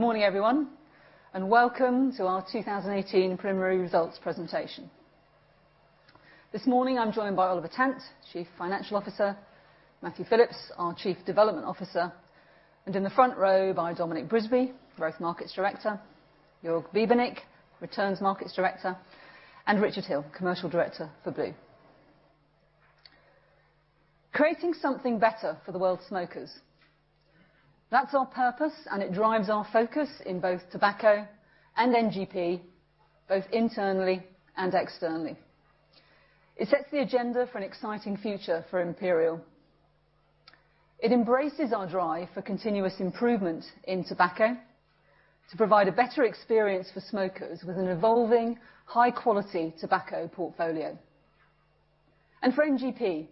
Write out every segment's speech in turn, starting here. Good morning, everyone, and welcome to our 2018 preliminary results presentation. This morning, I'm joined by Oliver Tant, Chief Financial Officer, Matthew Phillips, our Chief Development Officer, in the front row by Dominic Brisby, Growth Markets Director, Jörg Bubenik, Returns Markets Director, and Richard Hill, Commercial Director for blu. Creating something better for the world's smokers. That's our purpose, and it drives our focus in both tobacco and NGP, both internally and externally. It sets the agenda for an exciting future for Imperial. It embraces our drive for continuous improvement in tobacco to provide a better experience for smokers with an evolving, high-quality tobacco portfolio. For NGP,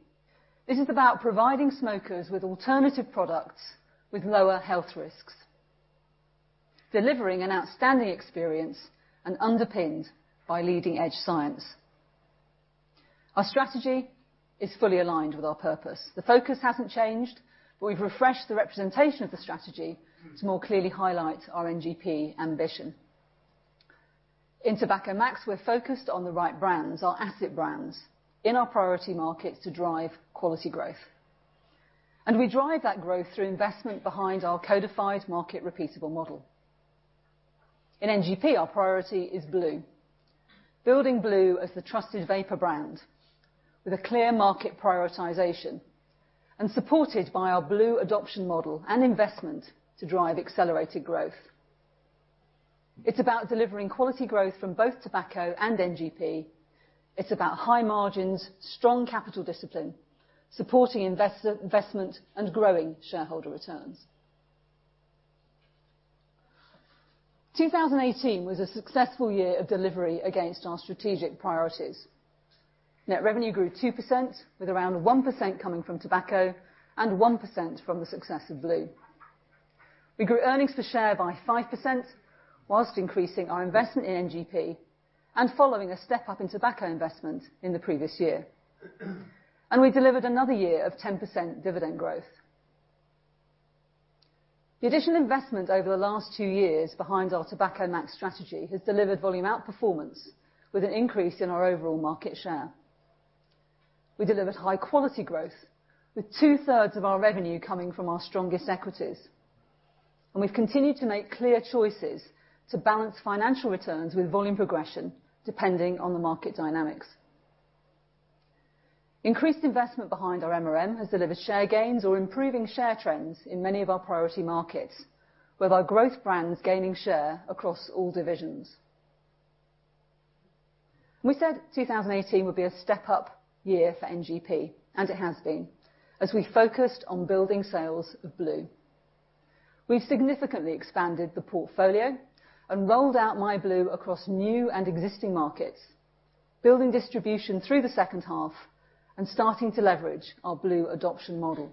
this is about providing smokers with alternative products with lower health risks, delivering an outstanding experience, and underpinned by leading-edge science. Our strategy is fully aligned with our purpose. The focus hasn't changed, we've refreshed the representation of the strategy to more clearly highlight our NGP ambition. In Tobacco & Max, we're focused on the right brands, our asset brands, in our priority markets to drive quality growth. We drive that growth through investment behind our codified market repeatable model. In NGP, our priority is blu. Building blu as the trusted vapor brand with a clear market prioritization and supported by our blu adoption model and investment to drive accelerated growth. It's about delivering quality growth from both tobacco and NGP. It's about high margins, strong capital discipline, supporting investment, and growing shareholder returns. 2018 was a successful year of delivery against our strategic priorities. Net revenue grew 2% with around 1% coming from tobacco and 1% from the success of blu. We grew earnings per share by 5% whilst increasing our investment in NGP and following a step up in tobacco investment in the previous year. We delivered another year of 10% dividend growth. The additional investment over the last two years behind our Tobacco & Max strategy has delivered volume outperformance with an increase in our overall market share. We delivered high-quality growth, with two-thirds of our revenue coming from our strongest equities. We've continued to make clear choices to balance financial returns with volume progression, depending on the market dynamics. Increased investment behind our MRM has delivered share gains or improving share trends in many of our priority markets, with our growth brands gaining share across all divisions. We said 2018 would be a step-up year for NGP, and it has been, as we focused on building sales of blu. We've significantly expanded the portfolio and rolled out myblu across new and existing markets, building distribution through the second half and starting to leverage our blu adoption model.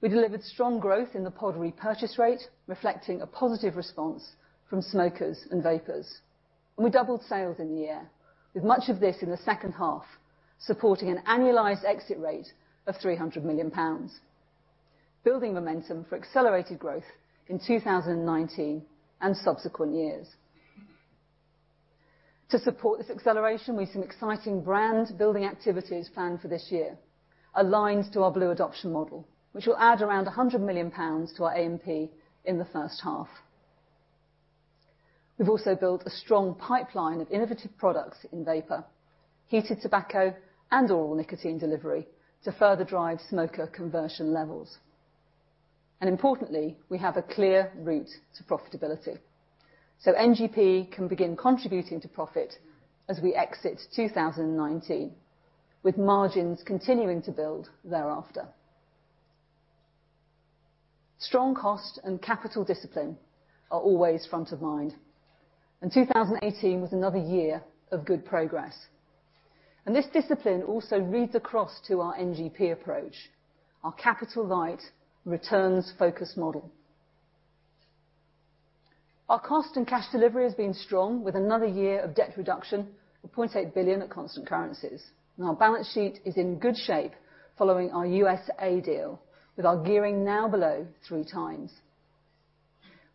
We delivered strong growth in the pod repurchase rate, reflecting a positive response from smokers and vapers. We doubled sales in the year, with much of this in the second half, supporting an annualized exit rate of 300 million pounds. Building momentum for accelerated growth in 2019 and subsequent years. To support this acceleration, we've some exciting brand-building activities planned for this year, aligned to our blu adoption model, which will add around 100 million pounds to our AMP in the first half. We've also built a strong pipeline of innovative products in vapor, heated tobacco, and oral nicotine delivery to further drive smoker conversion levels. Importantly, we have a clear route to profitability. NGP can begin contributing to profit as we exit 2019, with margins continuing to build thereafter. Strong cost and capital discipline are always front of mind, and 2018 was another year of good progress. This discipline also reads across to our NGP approach, our capital-light, returns-focused model. Our cost and cash delivery has been strong with another year of debt reduction of $0.8 billion at constant currencies. Our balance sheet is in good shape following our USA deal, with our gearing now below three times.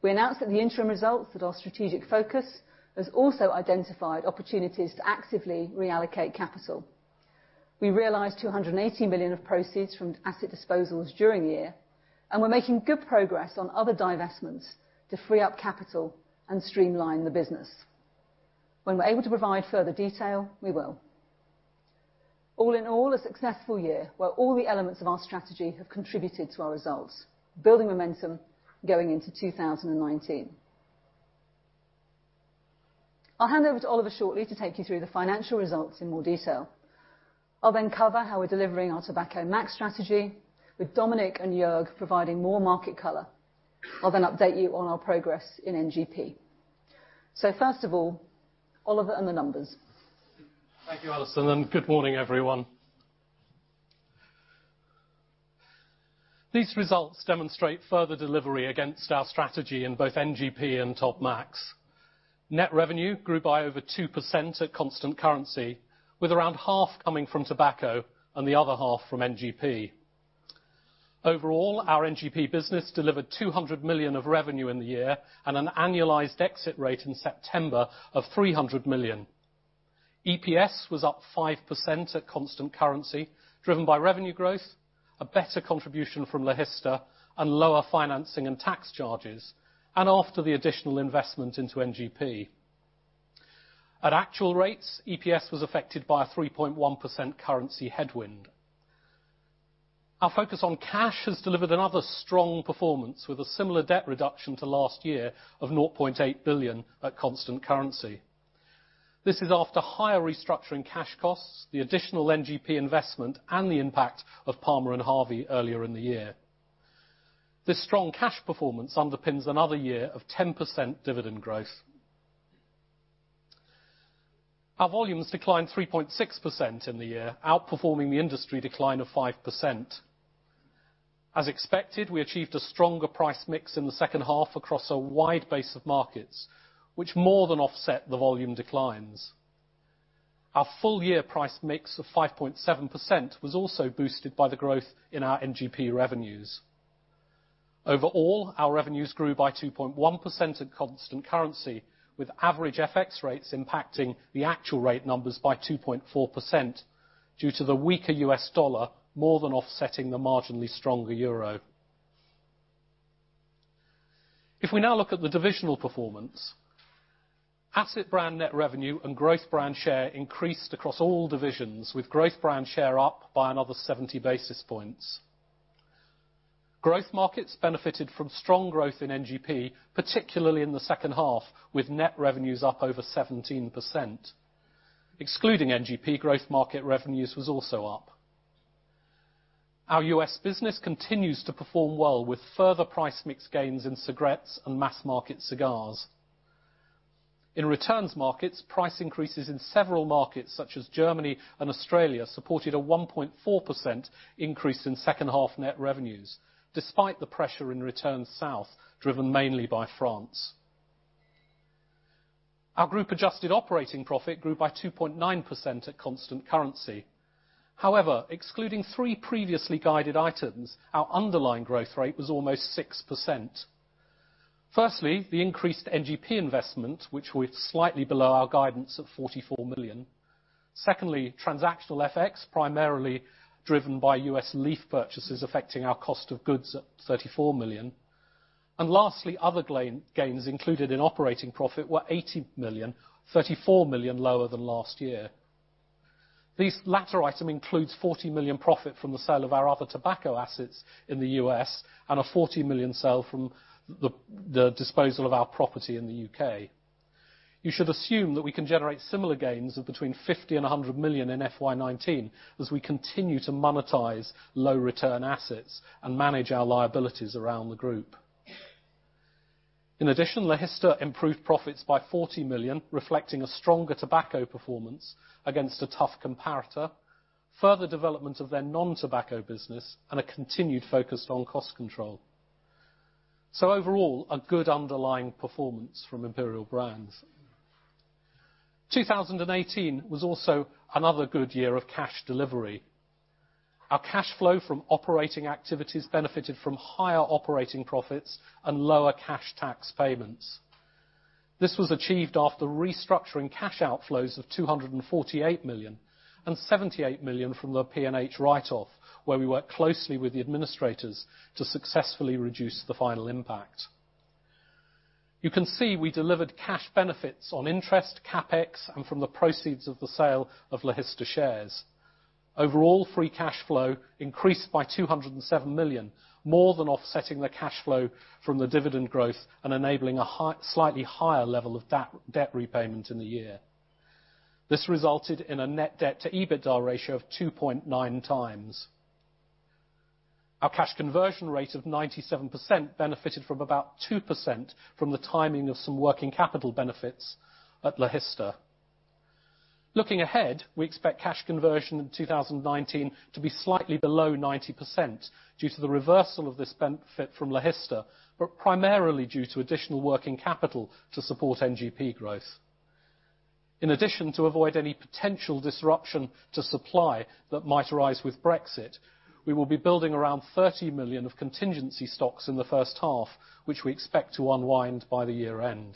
We announced at the interim results that our strategic focus has also identified opportunities to actively reallocate capital. We realized 280 million of proceeds from asset disposals during the year, and we're making good progress on other divestments to free up capital and streamline the business. When we're able to provide further detail, we will. All in all, a successful year, where all the elements of our strategy have contributed to our results, building momentum going into 2019. I'll hand over to Oliver shortly to take you through the financial results in more detail. I'll then cover how we're delivering our Tobacco Max strategy, with Dominic and Jörg providing more market color. I'll then update you on our progress in NGP. First of all, Oliver and the numbers. Thank you, Alison. Good morning, everyone. These results demonstrate further delivery against our strategy in both NGP and Tobacco Max. Net revenue grew by over 2% at constant currency, with around half coming from tobacco and the other half from NGP. Overall, our NGP business delivered 200 million of revenue in the year and an annualized exit rate in September of 300 million. EPS was up 5% at constant currency, driven by revenue growth, a better contribution from Logista, lower financing and tax charges, and after the additional investment into NGP. At actual rates, EPS was affected by a 3.1% currency headwind. Our focus on cash has delivered another strong performance, with a similar debt reduction to last year of $0.8 billion at constant currency. This is after higher restructuring cash costs, the additional NGP investment, and the impact of Palmer and Harvey earlier in the year. This strong cash performance underpins another year of 10% dividend growth. Our volumes declined 3.6% in the year, outperforming the industry decline of 5%. As expected, we achieved a stronger price mix in the second half across a wide base of markets, which more than offset the volume declines. Our full year price mix of 5.7% was also boosted by the growth in our NGP revenues. Overall, our revenues grew by 2.1% at constant currency, with average FX rates impacting the actual rate numbers by 2.4% due to the weaker US dollar more than offsetting the marginally stronger euro. If we now look at the divisional performance, asset brand net revenue and growth brand share increased across all divisions, with growth brand share up by another 70 basis points. Growth markets benefited from strong growth in NGP, particularly in the second half, with net revenues up over 17%. Excluding NGP, growth market revenues was also up. Our U.S. business continues to perform well, with further price mix gains in cigarettes and mass-market cigars. In returns markets, price increases in several markets, such as Germany and Australia, supported a 1.4% increase in second half net revenues, despite the pressure in Returns South, driven mainly by France. Our group adjusted operating profit grew by 2.9% at constant currency. However, excluding three previously guided items, our underlying growth rate was almost 6%. Firstly, the increased NGP investment, which was slightly below our guidance of 44 million. Secondly, transactional FX, primarily driven by U.S. leaf purchases affecting our cost of goods at 34 million. Lastly, other gains included in operating profit were 80 million, 34 million lower than last year. This latter item includes 40 million profit from the sale of our other tobacco assets in the U.S. and a 40 million sale from the disposal of our property in the U.K. You should assume that we can generate similar gains of between 50 million and 100 million in FY 2019, as we continue to monetize low return assets and manage our liabilities around the group. In addition, Logista improved profits by 40 million, reflecting a stronger tobacco performance against a tough comparator, further development of their non-tobacco business, and a continued focus on cost control. Overall, a good underlying performance from Imperial Brands. 2018 was also another good year of cash delivery. Our cash flow from operating activities benefited from higher operating profits and lower cash tax payments. This was achieved after restructuring cash outflows of 248 million and 78 million from the P&H write-off, where we worked closely with the administrators to successfully reduce the final impact. You can see we delivered cash benefits on interest, CapEx, and from the proceeds of the sale of Logista shares. Overall, free cash flow increased by 207 million, more than offsetting the cash flow from the dividend growth and enabling a slightly higher level of debt repayment in the year. This resulted in a net debt-to-EBITDA ratio of 2.9 times. Our cash conversion rate of 97% benefited from about 2% from the timing of some working capital benefits at Logista. Looking ahead, we expect cash conversion in 2019 to be slightly below 90% due to the reversal of this benefit from Logista, but primarily due to additional working capital to support NGP growth. In addition, to avoid any potential disruption to supply that might arise with Brexit, we will be building around 30 million of contingency stocks in the first half, which we expect to unwind by the year end.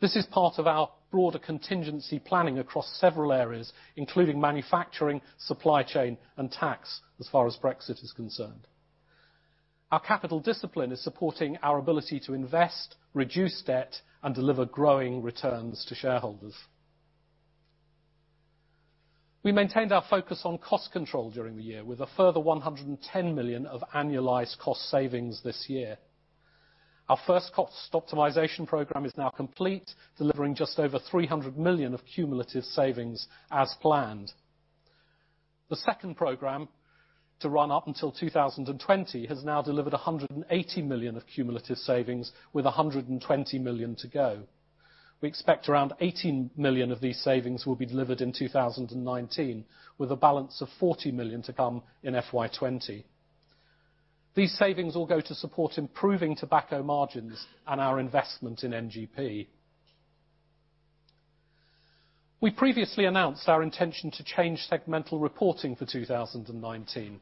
This is part of our broader contingency planning across several areas, including manufacturing, supply chain and tax, as far as Brexit is concerned. Our capital discipline is supporting our ability to invest, reduce debt, and deliver growing returns to shareholders. We maintained our focus on cost control during the year with a further 110 million of annualized cost savings this year. Our first cost optimization program is now complete, delivering just over 300 million of cumulative savings as planned. The second program, to run up until 2020, has now delivered 180 million of cumulative savings with 120 million to go. We expect around 80 million of these savings will be delivered in 2019, with a balance of 40 million to come in FY 2020. These savings will go to support improving tobacco margins and our investment in NGP. We previously announced our intention to change segmental reporting for 2019.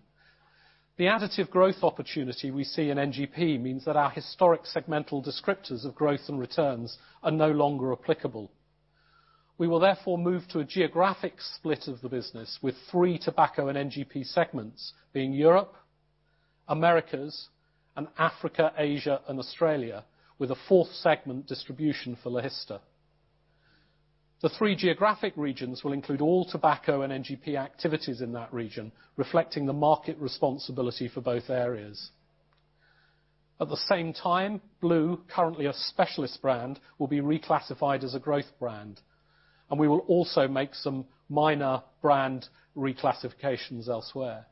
The additive growth opportunity we see in NGP means that our historic segmental descriptors of growth and returns are no longer applicable. We will therefore move to a geographic split of the business with three tobacco and NGP segments, being Europe, Americas, and Africa, Asia, and Australia, with a fourth segment distribution for Logista. The three geographic regions will include all tobacco and NGP activities in that region, reflecting the market responsibility for both areas. At the same time, blu, currently a specialist brand, will be reclassified as a growth brand. We will also make some minor brand reclassifications elsewhere.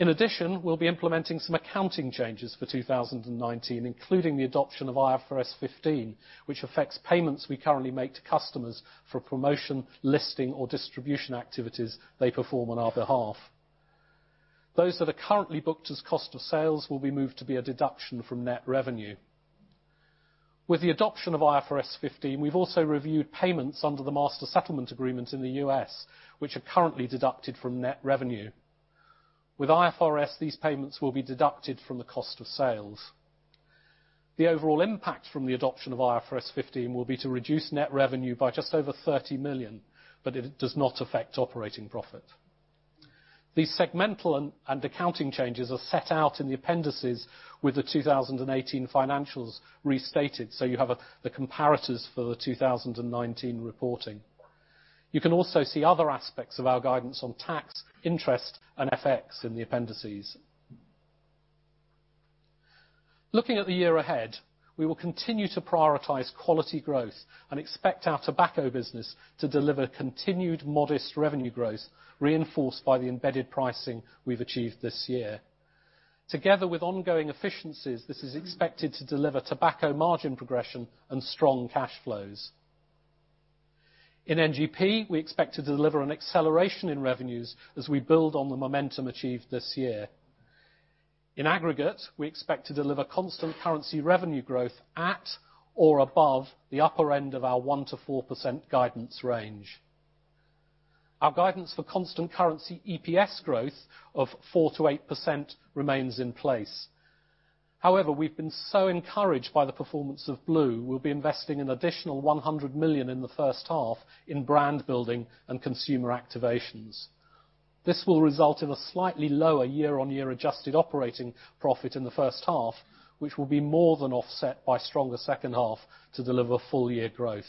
In addition, we'll be implementing some accounting changes for 2019, including the adoption of IFRS 15, which affects payments we currently make to customers for promotion, listing, or distribution activities they perform on our behalf. Those that are currently booked as cost of sales will be moved to be a deduction from net revenue. With the adoption of IFRS 15, we've also reviewed payments under the Master Settlement Agreement in the U.S., which are currently deducted from net revenue. With IFRS, these payments will be deducted from the cost of sales. The overall impact from the adoption of IFRS 15 will be to reduce net revenue by just over 30 million. It does not affect operating profit. These segmental and accounting changes are set out in the appendices with the 2018 financials restated, so you have the comparators for the 2019 reporting. You can also see other aspects of our guidance on tax, interest, and FX in the appendices. Looking at the year ahead, we will continue to prioritize quality growth and expect our tobacco business to deliver continued modest revenue growth, reinforced by the embedded pricing we've achieved this year. Together with ongoing efficiencies, this is expected to deliver tobacco margin progression and strong cash flows. In NGP, we expect to deliver an acceleration in revenues as we build on the momentum achieved this year. In aggregate, we expect to deliver constant currency revenue growth at or above the upper end of our 1%-4% guidance range. Our guidance for constant currency EPS growth of 4%-8% remains in place. However, we've been so encouraged by the performance of blu, we'll be investing an additional 100 million in the first half in brand building and consumer activations. This will result in a slightly lower year-on-year adjusted operating profit in the first half, which will be more than offset by a stronger second half to deliver full-year growth.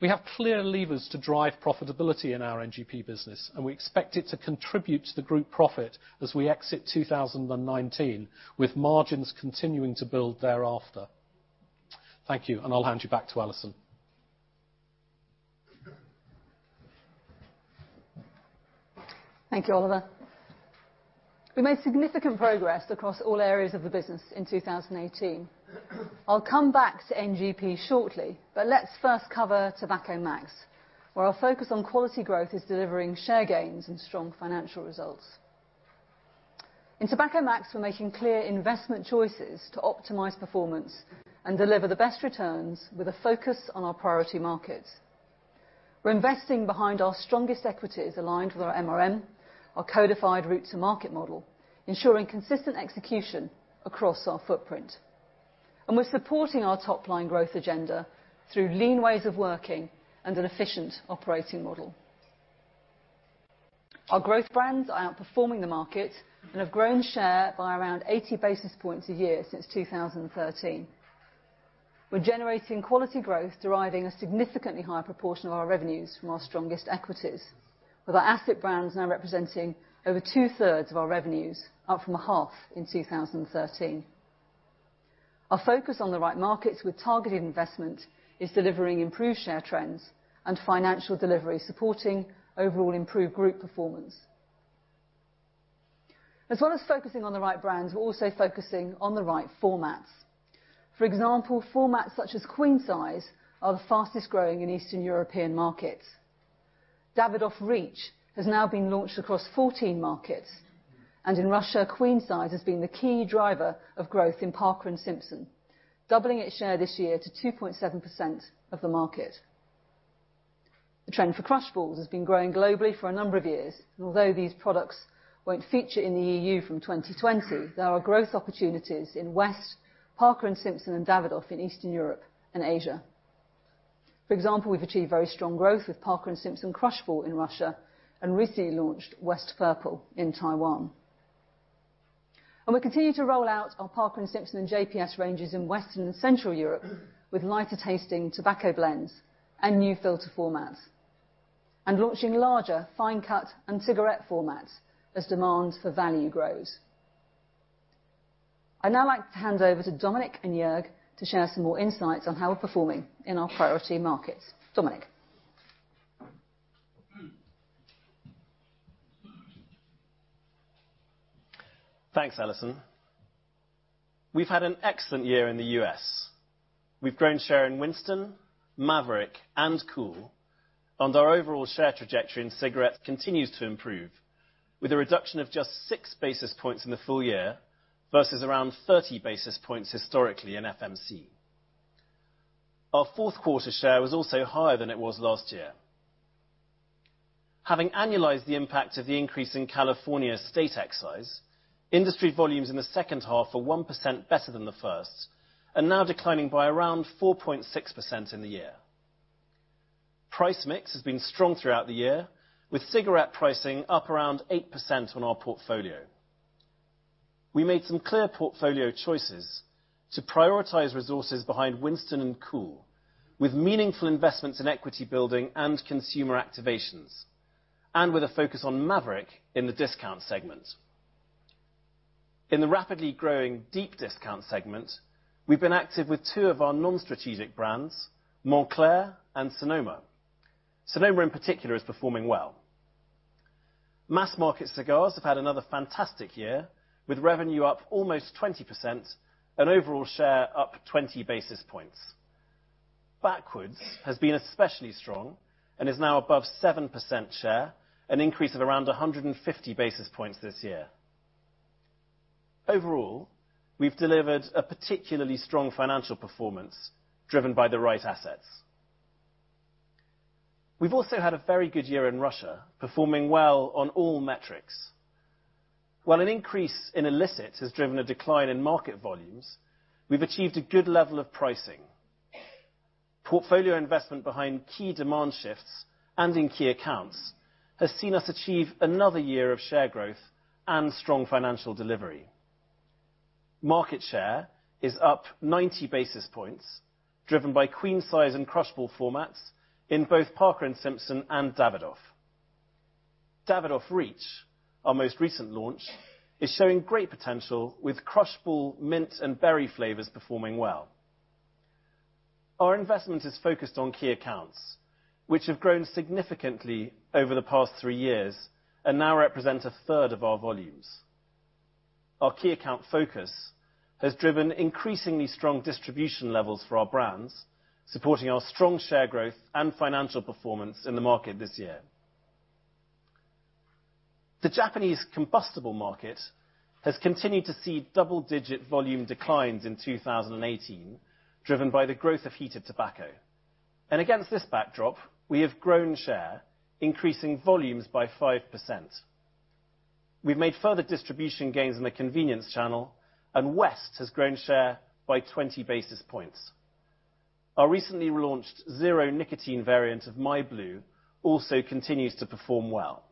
We have clear levers to drive profitability in our NGP business. We expect it to contribute to the group profit as we exit 2019, with margins continuing to build thereafter. Thank you. I'll hand you back to Alison. Thank you, Oliver. We made significant progress across all areas of the business in 2018. I'll come back to NGP shortly, but let's first cover Tobacco & Max, where our focus on quality growth is delivering share gains and strong financial results. In Tobacco & Max, we're making clear investment choices to optimize performance and deliver the best returns with a focus on our priority markets. We're investing behind our strongest equities aligned with our MRM, our codified route to market model, ensuring consistent execution across our footprint. We're supporting our top-line growth agenda through lean ways of working and an efficient operating model. Our growth brands are outperforming the market and have grown share by around 80 basis points a year since 2013. We're generating quality growth deriving a significantly higher proportion of our revenues from our strongest equities. With our asset brands now representing over two-thirds of our revenues, up from a half in 2013. Our focus on the right markets with targeted investment is delivering improved share trends and financial delivery, supporting overall improved group performance. As well as focusing on the right brands, we're also focusing on the right formats. For example, formats such as queen size are the fastest-growing in Eastern European markets. Davidoff Reach has now been launched across 14 markets, and in Russia, queen size has been the key driver of growth in Parker & Simpson, doubling its share this year to 2.7% of the market. The trend for crush balls has been growing globally for a number of years, and although these products won't feature in the EU from 2020, there are growth opportunities in West, Parker & Simpson, and Davidoff in Eastern Europe and Asia. For example, we've achieved very strong growth with Parker & Simpson crush ball in Russia, and recently launched West Purple in Taiwan. We continue to roll out our Parker & Simpson and JPS ranges in Western and Central Europe with lighter-tasting tobacco blends and new filter formats, and launching larger fine cut and cigarette formats as demand for value grows. I'd now like to hand over to Dominic and Jörg to share some more insights on how we're performing in our priority markets. Dominic? Thanks, Alison. We've had an excellent year in the U.S. We've grown share in Winston, Maverick, and Kool, and our overall share trajectory in cigarettes continues to improve, with a reduction of just six basis points in the full year versus around 30 basis points historically in FMC. Our fourth quarter share was also higher than it was last year. Having annualized the impact of the increase in California state excise, industry volumes in the second half are 1% better than the first, and now declining by around 4.6% in the year. Price mix has been strong throughout the year, with cigarette pricing up around 8% on our portfolio. We made some clear portfolio choices to prioritize resources behind Winston and Kool, with meaningful investments in equity building and consumer activations, and with a focus on Maverick in the discount segment. In the rapidly growing deep discount segment, we've been active with two of our non-strategic brands, Montclair and Sonoma. Sonoma, in particular, is performing well. Mass market cigars have had another fantastic year, with revenue up almost 20% and overall share up 20 basis points. Backwoods has been especially strong and is now above 7% share, an increase of around 150 basis points this year. Overall, we've delivered a particularly strong financial performance driven by the right assets. We've also had a very good year in Russia, performing well on all metrics. While an increase in illicit has driven a decline in market volumes, we've achieved a good level of pricing. Portfolio investment behind key demand shifts and in key accounts has seen us achieve another year of share growth and strong financial delivery. Market share is up 90 basis points, driven by queen size and crushball formats in both Parker & Simpson and Davidoff. Davidoff Reach, our most recent launch, is showing great potential with crushball mint and berry flavors performing well. Our investment is focused on key accounts, which have grown significantly over the past three years and now represent a third of our volumes. Our key account focus has driven increasingly strong distribution levels for our brands, supporting our strong share growth and financial performance in the market this year. The Japanese combustible market has continued to see double-digit volume declines in 2018, driven by the growth of heated tobacco. Against this backdrop, we have grown share, increasing volumes by 5%. We've made further distribution gains in the convenience channel, and West has grown share by 20 basis points. Our recently launched zero nicotine variant of myblu also continues to perform well.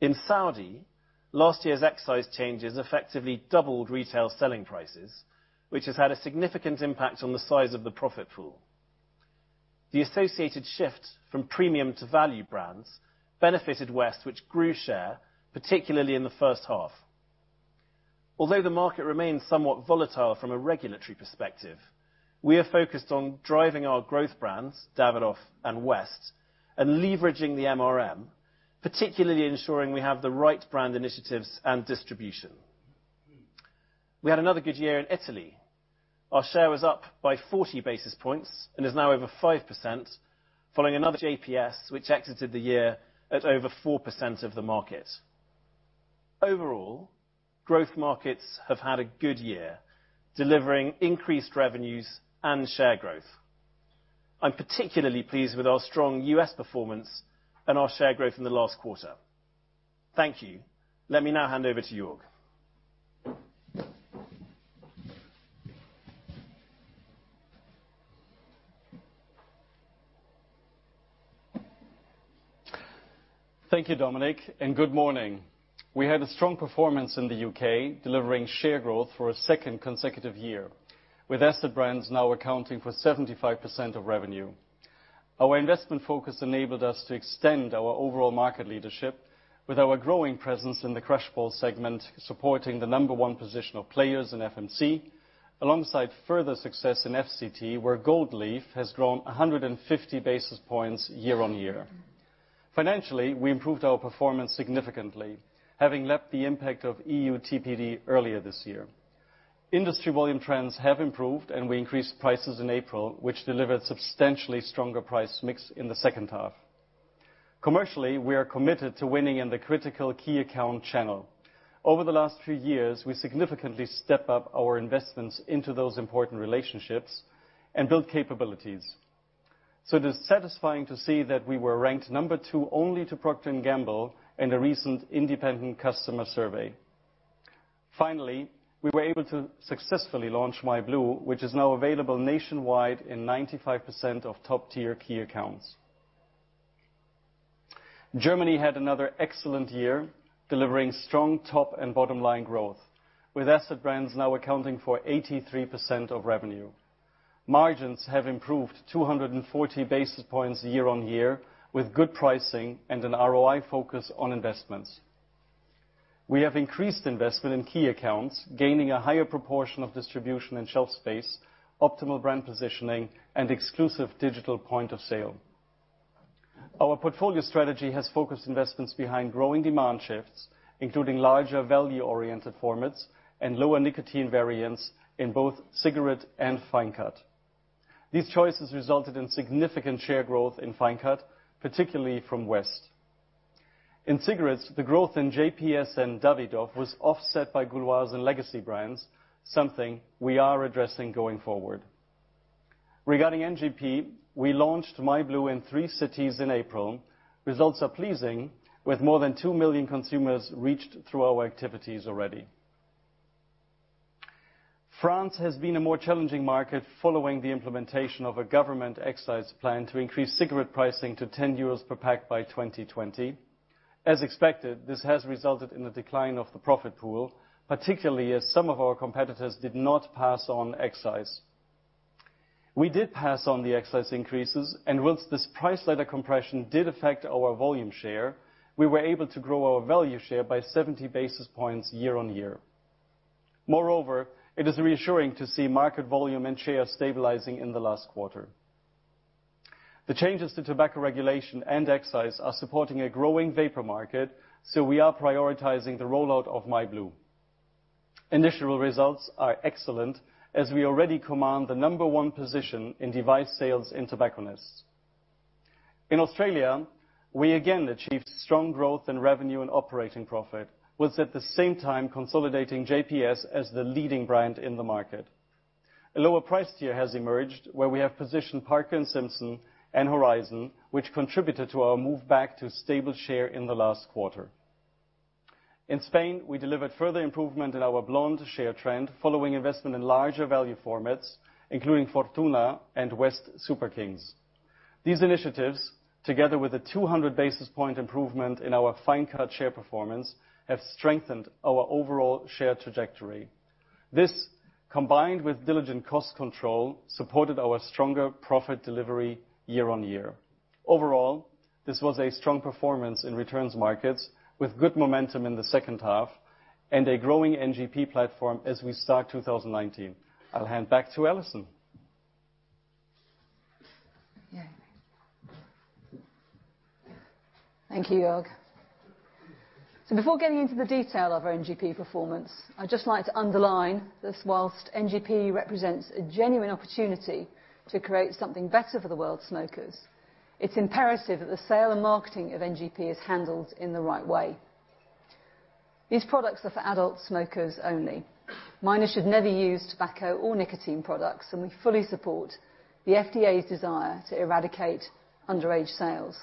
In Saudi, last year's excise changes effectively doubled retail selling prices, which has had a significant impact on the size of the profit pool. The associated shift from premium to value brands benefited West, which grew share, particularly in the first half. Although the market remains somewhat volatile from a regulatory perspective, we are focused on driving our growth brands, Davidoff and West, and leveraging the MRM, particularly ensuring we have the right brand initiatives and distribution. We had another good year in Italy. Our share was up by 40 basis points and is now over 5%, following another JPS which exited the year at over 4% of the market. Overall, growth markets have had a good year, delivering increased revenues and share growth. I'm particularly pleased with our strong U.S. performance and our share growth in the last quarter. Thank you. Let me now hand over to Jörg. Thank you, Dominic, and good morning. We had a strong performance in the U.K., delivering share growth for a second consecutive year, with asset brands now accounting for 75% of revenue. Our investment focus enabled us to extend our overall market leadership with our growing presence in the crush balls segment, supporting the number one position of Player's in FMC, alongside further success in FCT, where Gold Leaf has grown 150 basis points year on year. Financially, we improved our performance significantly, having leapt the impact of EU TPD earlier this year. We increased prices in April, which delivered substantially stronger price mix in the second half. Commercially, we are committed to winning in the critical key account channel. Over the last few years, we significantly step up our investments into those important relationships and build capabilities. It is satisfying to see that we were ranked number two only to Procter & Gamble in the recent independent customer survey. Finally, we were able to successfully launch myblu, which is now available nationwide in 95% of top-tier key accounts. Germany had another excellent year, delivering strong top and bottom-line growth, with asset brands now accounting for 83% of revenue. Margins have improved 240 basis points year on year with good pricing and an ROI focus on investments. We have increased investment in key accounts, gaining a higher proportion of distribution and shelf space, optimal brand positioning, and exclusive digital point of sale. Our portfolio strategy has focused investments behind growing demand shifts, including larger value-oriented formats and lower nicotine variants in both cigarette and fine cut. These choices resulted in significant share growth in fine cut, particularly from West. In cigarettes, the growth in JPS and Davidoff was offset by Gauloises and legacy brands, something we are addressing going forward. Regarding NGP, we launched myblu in three cities in April. Results are pleasing, with more than two million consumers reached through our activities already. France has been a more challenging market following the implementation of a government excise plan to increase cigarette pricing to 10 euros per pack by 2020. As expected, this has resulted in a decline of the profit pool, particularly as some of our competitors did not pass on excise. Whilst this price-led compression did affect our volume share, we were able to grow our value share by 70 basis points year on year. Moreover, it is reassuring to see market volume and share stabilizing in the last quarter. The changes to tobacco regulation and excise are supporting a growing vapor market, we are prioritizing the rollout of myblu. Initial results are excellent as we already command the number one position in device sales in tobacconists. In Australia, we again achieved strong growth in revenue and operating profit, whilst at the same time consolidating JPS as the leading brand in the market. A lower price tier has emerged where we have positioned Parker & Simpson and Horizon, which contributed to our move back to stable share in the last quarter. In Spain, we delivered further improvement in our blonde share trend following investment in larger value formats, including Fortuna and West Superkings. These initiatives, together with a 200 basis point improvement in our fine cut share performance, have strengthened our overall share trajectory. This, combined with diligent cost control, supported our stronger profit delivery year on year. Overall, this was a strong performance in returns markets with good momentum in the second half and a growing NGP platform as we start 2019. I'll hand back to Alison. Yeah. Thank you, Jörg. Before getting into the detail of our NGP performance, I'd just like to underline that whilst NGP represents a genuine opportunity to create something better for the world's smokers, it's imperative that the sale and marketing of NGP is handled in the right way. These products are for adult smokers only. Minors should never use tobacco or nicotine products, and we fully support the FDA's desire to eradicate underage sales.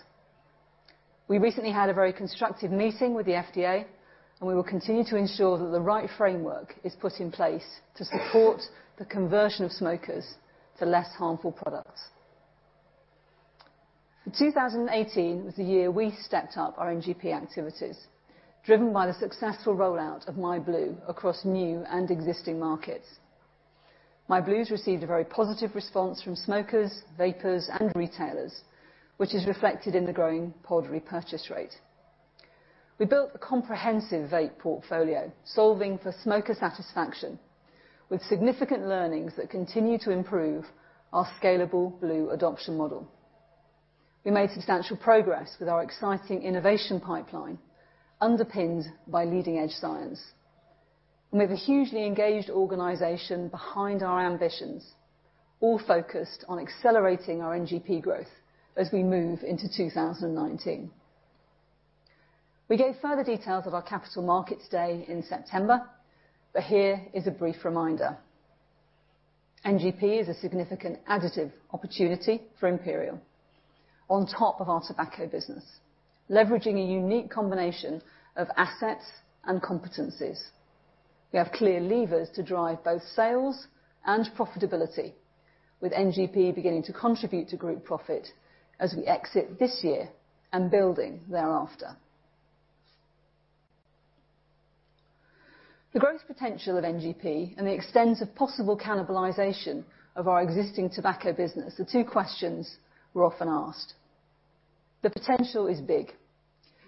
We recently had a very constructive meeting with the FDA, and we will continue to ensure that the right framework is put in place to support the conversion of smokers to less harmful products. For 2018, was the year we stepped up our NGP activities, driven by the successful rollout of myblu across new and existing markets. myblu's received a very positive response from smokers, vapers, and retailers, which is reflected in the growing pod repurchase rate. We built a comprehensive vape portfolio, solving for smoker satisfaction with significant learnings that continue to improve our scalable blu adoption model. We made substantial progress with our exciting innovation pipeline, underpinned by leading-edge science. We have a hugely engaged organization behind our ambitions, all focused on accelerating our NGP growth as we move into 2019. We gave further details at our Capital Markets Day in September, here is a brief reminder. NGP is a significant additive opportunity for Imperial on top of our tobacco business, leveraging a unique combination of assets and competencies. We have clear levers to drive both sales and profitability with NGP beginning to contribute to group profit as we exit this year and building thereafter. The growth potential of NGP and the extent of possible cannibalization of our existing tobacco business are two questions we're often asked. The potential is big.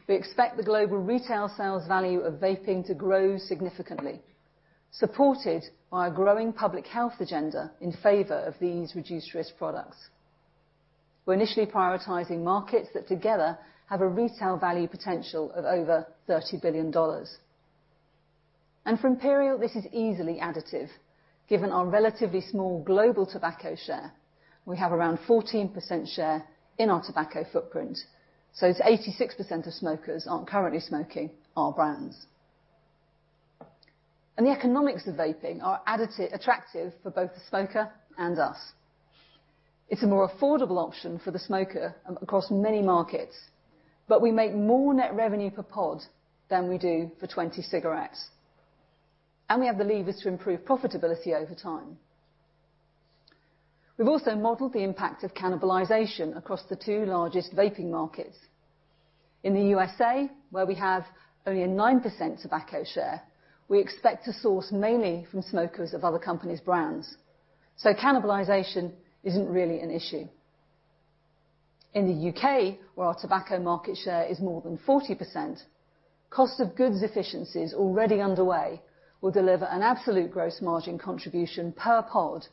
We expect the global retail sales value of vaping to grow significantly, supported by a growing public health agenda in favor of these reduced-risk products. We're initially prioritizing markets that together have a retail value potential of over GBP 30 billion. For Imperial, this is easily additive, given our relatively small global tobacco share. We have around 14% share in our tobacco footprint, it's 86% of smokers aren't currently smoking our brands. The economics of vaping are attractive for both the smoker and us. It's a more affordable option for the smoker across many markets. We make more net revenue per pod than we do for 20 cigarettes. We have the levers to improve profitability over time. We've also modeled the impact of cannibalization across the two largest vaping markets. In the U.S.A., where we have only a 9% tobacco share, we expect to source mainly from smokers of other companies' brands. Cannibalization isn't really an issue. In the U.K., where our tobacco market share is more than 40%. Cost of goods efficiencies already underway will deliver an absolute gross margin contribution per pod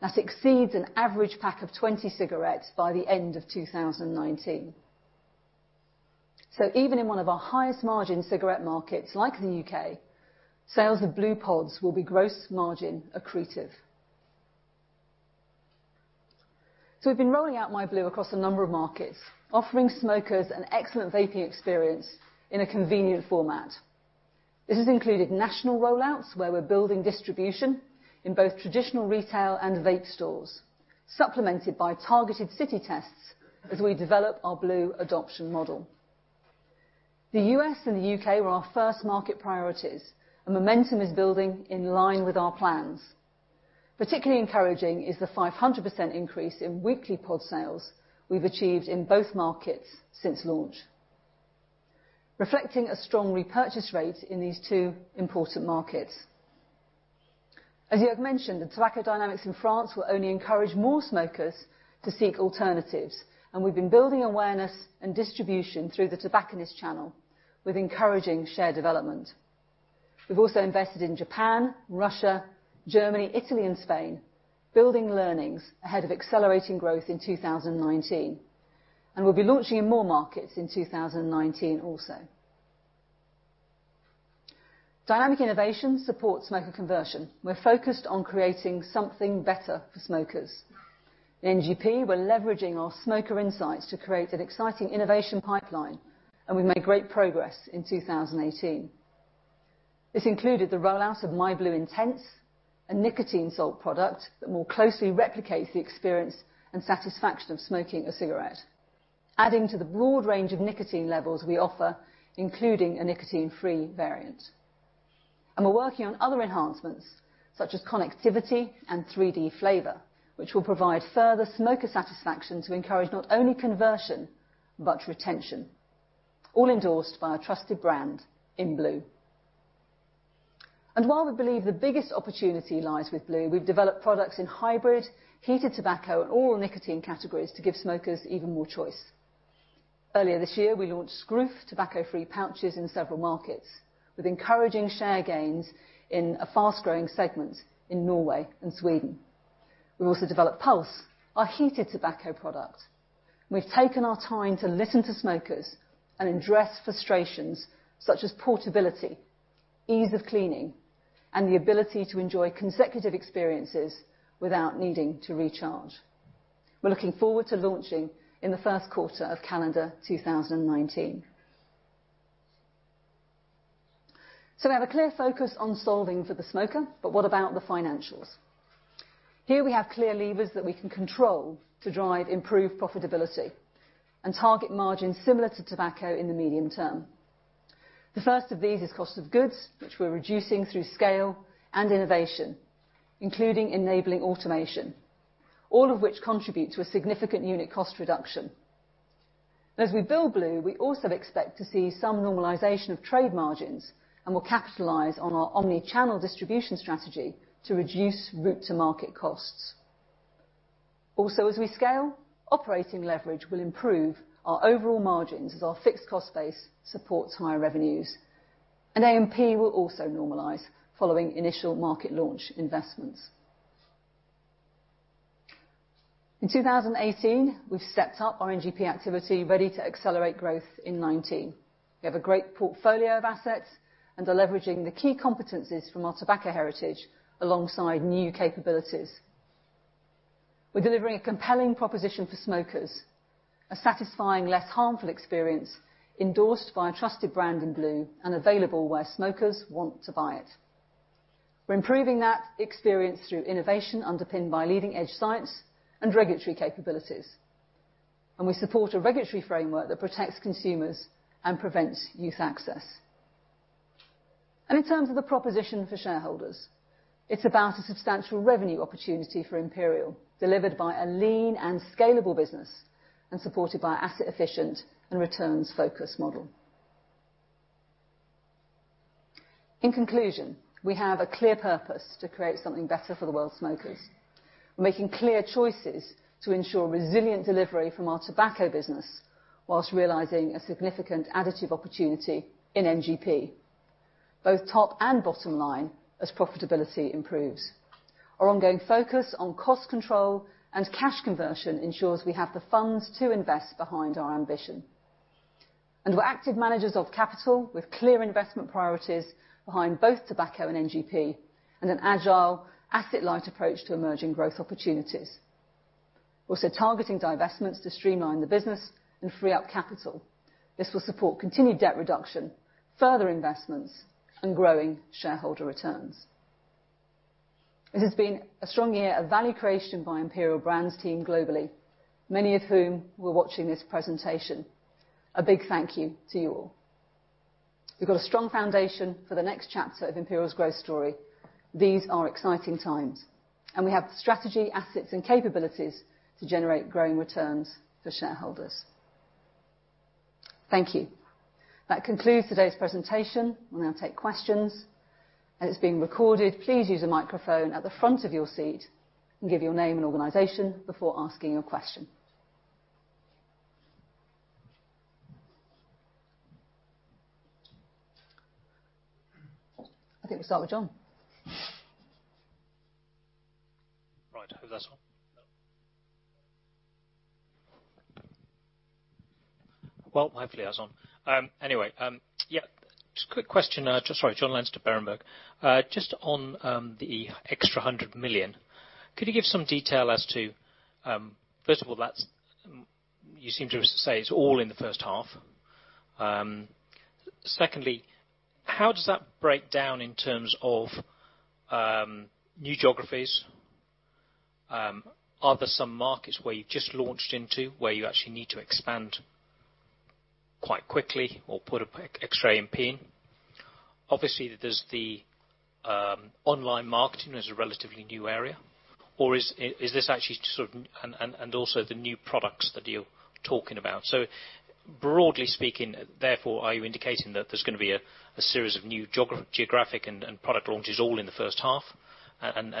that exceeds an average pack of 20 cigarettes by the end of 2019. Even in one of our highest margin cigarette markets, like the U.K., sales of blu pods will be gross margin accretive. We've been rolling out myblu across a number of markets, offering smokers an excellent vaping experience in a convenient format. This has included national rollouts, where we're building distribution in both traditional retail and vape stores, supplemented by targeted city tests as we develop our blu adoption model. The U.S. and the U.K. were our first market priorities. Momentum is building in line with our plans. Particularly encouraging is the 500% increase in weekly pod sales we've achieved in both markets since launch, reflecting a strong repurchase rate in these two important markets. As you have mentioned, the tobacco dynamics in France will only encourage more smokers to seek alternatives. We've been building awareness and distribution through the tobacconist channel with encouraging share development. We've also invested in Japan, Russia, Germany, Italy, and Spain, building learnings ahead of accelerating growth in 2019. We'll be launching in more markets in 2019 also. Dynamic innovation supports smoker conversion. We're focused on creating something better for smokers. In NGP, we're leveraging our smoker insights to create an exciting innovation pipeline. We've made great progress in 2018. This included the rollout of myblu INTENSE, a nicotine salt product that more closely replicates the experience and satisfaction of smoking a cigarette, adding to the broad range of nicotine levels we offer, including a nicotine-free variant. We're working on other enhancements, such as connectivity and 3D flavor, which will provide further smoker satisfaction to encourage not only conversion, but retention, all endorsed by a trusted brand in blu. While we believe the biggest opportunity lies with blu, we've developed products in hybrid, heated tobacco, and oral nicotine categories to give smokers even more choice. Earlier this year, we launched groov tobacco-free pouches in several markets, with encouraging share gains in a fast-growing segment in Norway and Sweden. We've also developed Pulze, our heated tobacco product. We've taken our time to listen to smokers and address frustrations such as portability, ease of cleaning, and the ability to enjoy consecutive experiences without needing to recharge. We're looking forward to launching in the first quarter of calendar 2019. We have a clear focus on solving for the smoker, but what about the financials? Here we have clear levers that we can control to drive improved profitability and target margins similar to tobacco in the medium term. The first of these is cost of goods, which we're reducing through scale and innovation, including enabling automation, all of which contribute to a significant unit cost reduction. As we build blu, we also expect to see some normalization of trade margins and will capitalize on our omni-channel distribution strategy to reduce route to market costs. As we scale, operating leverage will improve our overall margins as our fixed cost base supports higher revenues. AMP will also normalize following initial market launch investments. In 2018, we've set up our NGP activity ready to accelerate growth in 2019. We have a great portfolio of assets and are leveraging the key competencies from our tobacco heritage alongside new capabilities. We're delivering a compelling proposition for smokers, a satisfying, less harmful experience endorsed by a trusted brand in blu and available where smokers want to buy it. We're improving that experience through innovation underpinned by leading-edge science and regulatory capabilities. We support a regulatory framework that protects consumers and prevents youth access. In terms of the proposition for shareholders, it's about a substantial revenue opportunity for Imperial, delivered by a lean and scalable business and supported by asset efficient and returns-focused model. In conclusion, we have a clear purpose to create something better for the world's smokers. We're making clear choices to ensure resilient delivery from our tobacco business whilst realizing a significant additive opportunity in NGP, both top and bottom line, as profitability improves. Our ongoing focus on cost control and cash conversion ensures we have the funds to invest behind our ambition. We're active managers of capital with clear investment priorities behind both tobacco and NGP and an agile asset-light approach to emerging growth opportunities. We're also targeting divestments to streamline the business and free up capital. This will support continued debt reduction, further investments, and growing shareholder returns. It has been a strong year of value creation by Imperial Brands team globally, many of whom were watching this presentation. A big thank you to you all. We've got a strong foundation for the next chapter of Imperial's growth story. These are exciting times, and we have the strategy, assets, and capabilities to generate growing returns for shareholders. Thank you. That concludes today's presentation. We'll now take questions. It's being recorded. Please use the microphone at the front of your seat and give your name and organization before asking a question. I think we'll start with John. Right. I hope that's on. Well, hopefully that's on. Anyway, yeah. Just a quick question. Sorry, Jonathan Leinster, Berenberg. Just on the extra 100 million, could you give some detail as to, first of all, you seem to say it's all in the first half. Secondly, how does that break down in terms of new geographies? Are there some markets where you've just launched into, where you actually need to expand quite quickly or put extra AMP in? Obviously, there's the online marketing as a relatively new area, also the new products that you're talking about. Broadly speaking, therefore, are you indicating that there's going to be a series of new geographic and product launches all in the first half?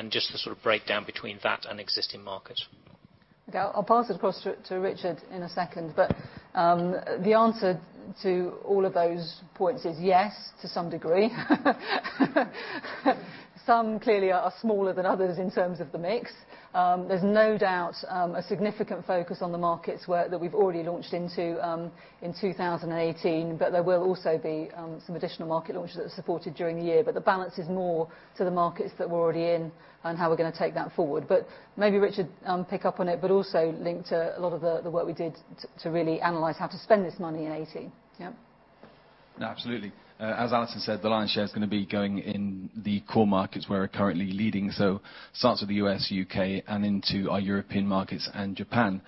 Just the sort of breakdown between that and existing markets. Okay. I will pass it across to Richard in a second. The answer to all of those points is yes, to some degree. Some clearly are smaller than others in terms of the mix. There is no doubt a significant focus on the markets that we have already launched into in 2018, there will also be some additional market launches that are supported during the year. The balance is more to the markets that we are already in and how we are going to take that forward. Maybe Richard pick up on it, also link to a lot of the work we did to really analyze how to spend this money in 2018. Yeah. No, absolutely. As Alison said, the lion's share is going to be going in the core markets where we are currently leading, starts with the U.S., U.K., and into our European markets and Japan.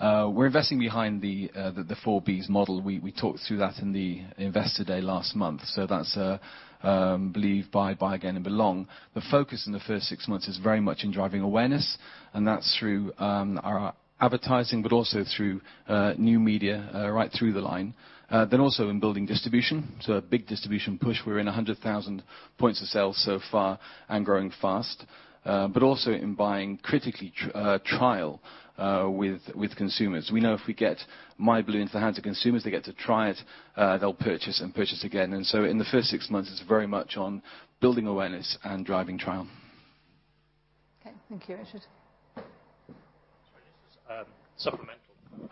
We are investing behind the 4Bs model. We talked through that in the Investor Day last month. That is believe, buy again, and belong. The focus in the first six months is very much in driving awareness, that is through our advertising, also through new media right through the line. Also in building distribution, a big distribution push. We are in 100,000 points of sale so far and growing fast. Also in buying critically trial with consumers. We know if we get myblu into the hands of consumers, they get to try it, they will purchase and purchase again. In the first six months, it is very much on building awareness and driving trial. Okay. Thank you, Richard. Sorry, this is supplemental.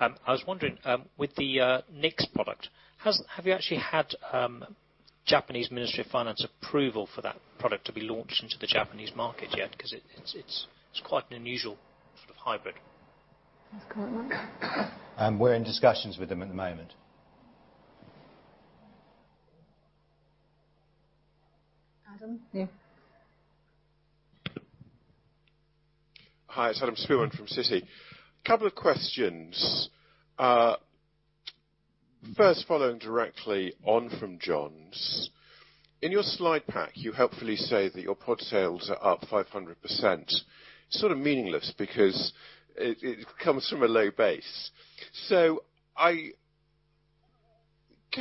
I was wondering, with the NICs product, have you actually had Japanese Ministry of Finance approval for that product to be launched into the Japanese market yet? It's quite an unusual sort of hybrid. Do you want to comment on that? We're in discussions with them at the moment. Adam, yeah. Hi, it's Adam Spielman from Citi. Couple of questions. First, following directly on from John's. In your slide pack, you helpfully say that your pod sales are up 500%. Sort of meaningless because it comes from a low base. Can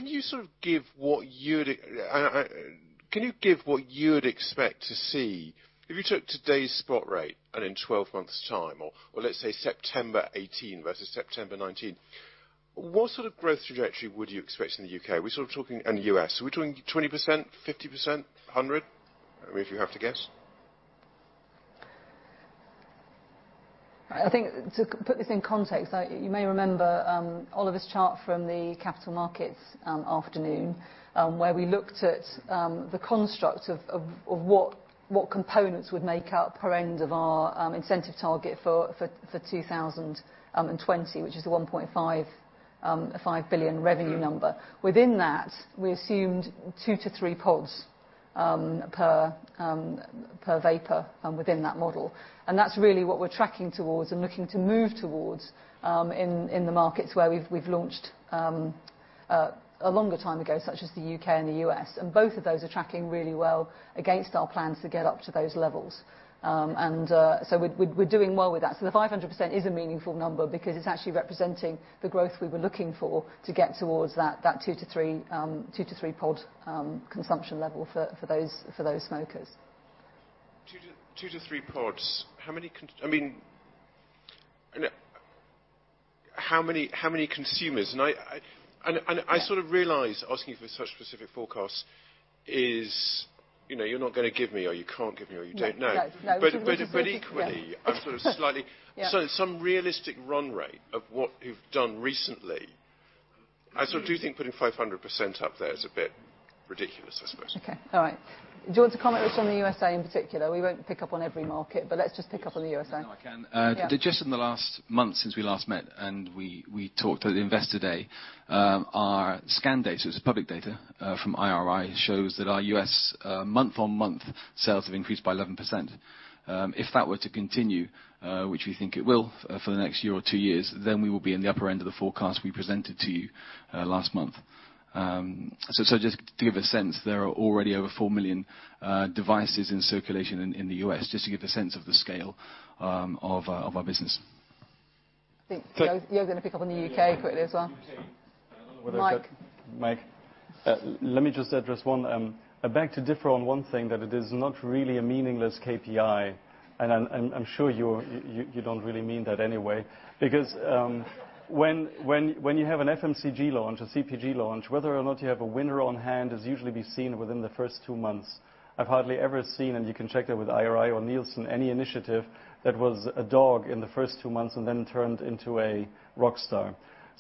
you give what you would expect to see if you took today's spot rate and in 12 months' time, or let's say September 2018 versus September 2019, what sort of growth trajectory would you expect in the U.K. and the U.S.? Are we talking 20%, 50%, 100%, if you have to guess? I think to put this in context, you may remember Oliver's chart from the capital markets afternoon, where we looked at the construct of what components would make up per end of our incentive target for 2020, which is the 1.5 billion revenue number. Within that, we assumed 2 to 3 pods per vapor within that model. That's really what we're tracking towards and looking to move towards in the markets where we've launched a longer time ago, such as the U.K. and the U.S. Both of those are tracking really well against our plans to get up to those levels. We're doing well with that. The 500% is a meaningful number because it's actually representing the growth we were looking for to get towards that 2 to 3 pod consumption level for those smokers. 2 to 3 pods. How many consumers? Yeah. I sort of realize asking you for such specific forecasts is you're not going to give me, or you can't give me, or you don't know. No. equally Yeah. some realistic run rate of what you've done recently. I sort of do think putting 500% up there is a bit ridiculous, I suppose. Okay. All right. Do you want to comment, Richard, on the USA in particular? We won't pick up on every market, but let's just pick up on the USA. No, I can. Yeah. In the last month since we last met, we talked at Investor Day, our scan data, so it's public data from IRI, shows that our U.S. month-on-month sales have increased by 11%. If that were to continue, which we think it will for the next year or two years, we will be in the upper end of the forecast we presented to you last month. Just to give a sense, there are already over 4 million devices in circulation in the U.S., just to give a sense of the scale of our business. I think you were going to pick up on the U.K. quickly as well. Mike Mike. Let me just address one. I beg to differ on one thing, that it is not really a meaningless KPI, and I'm sure you don't really mean that anyway. When you have an FMCG launch, a CPG launch, whether or not you have a winner on hand is usually be seen within the first two months. I've hardly ever seen, you can check that with IRI or Nielsen, any initiative that was a dog in the first two months turned into a rock star.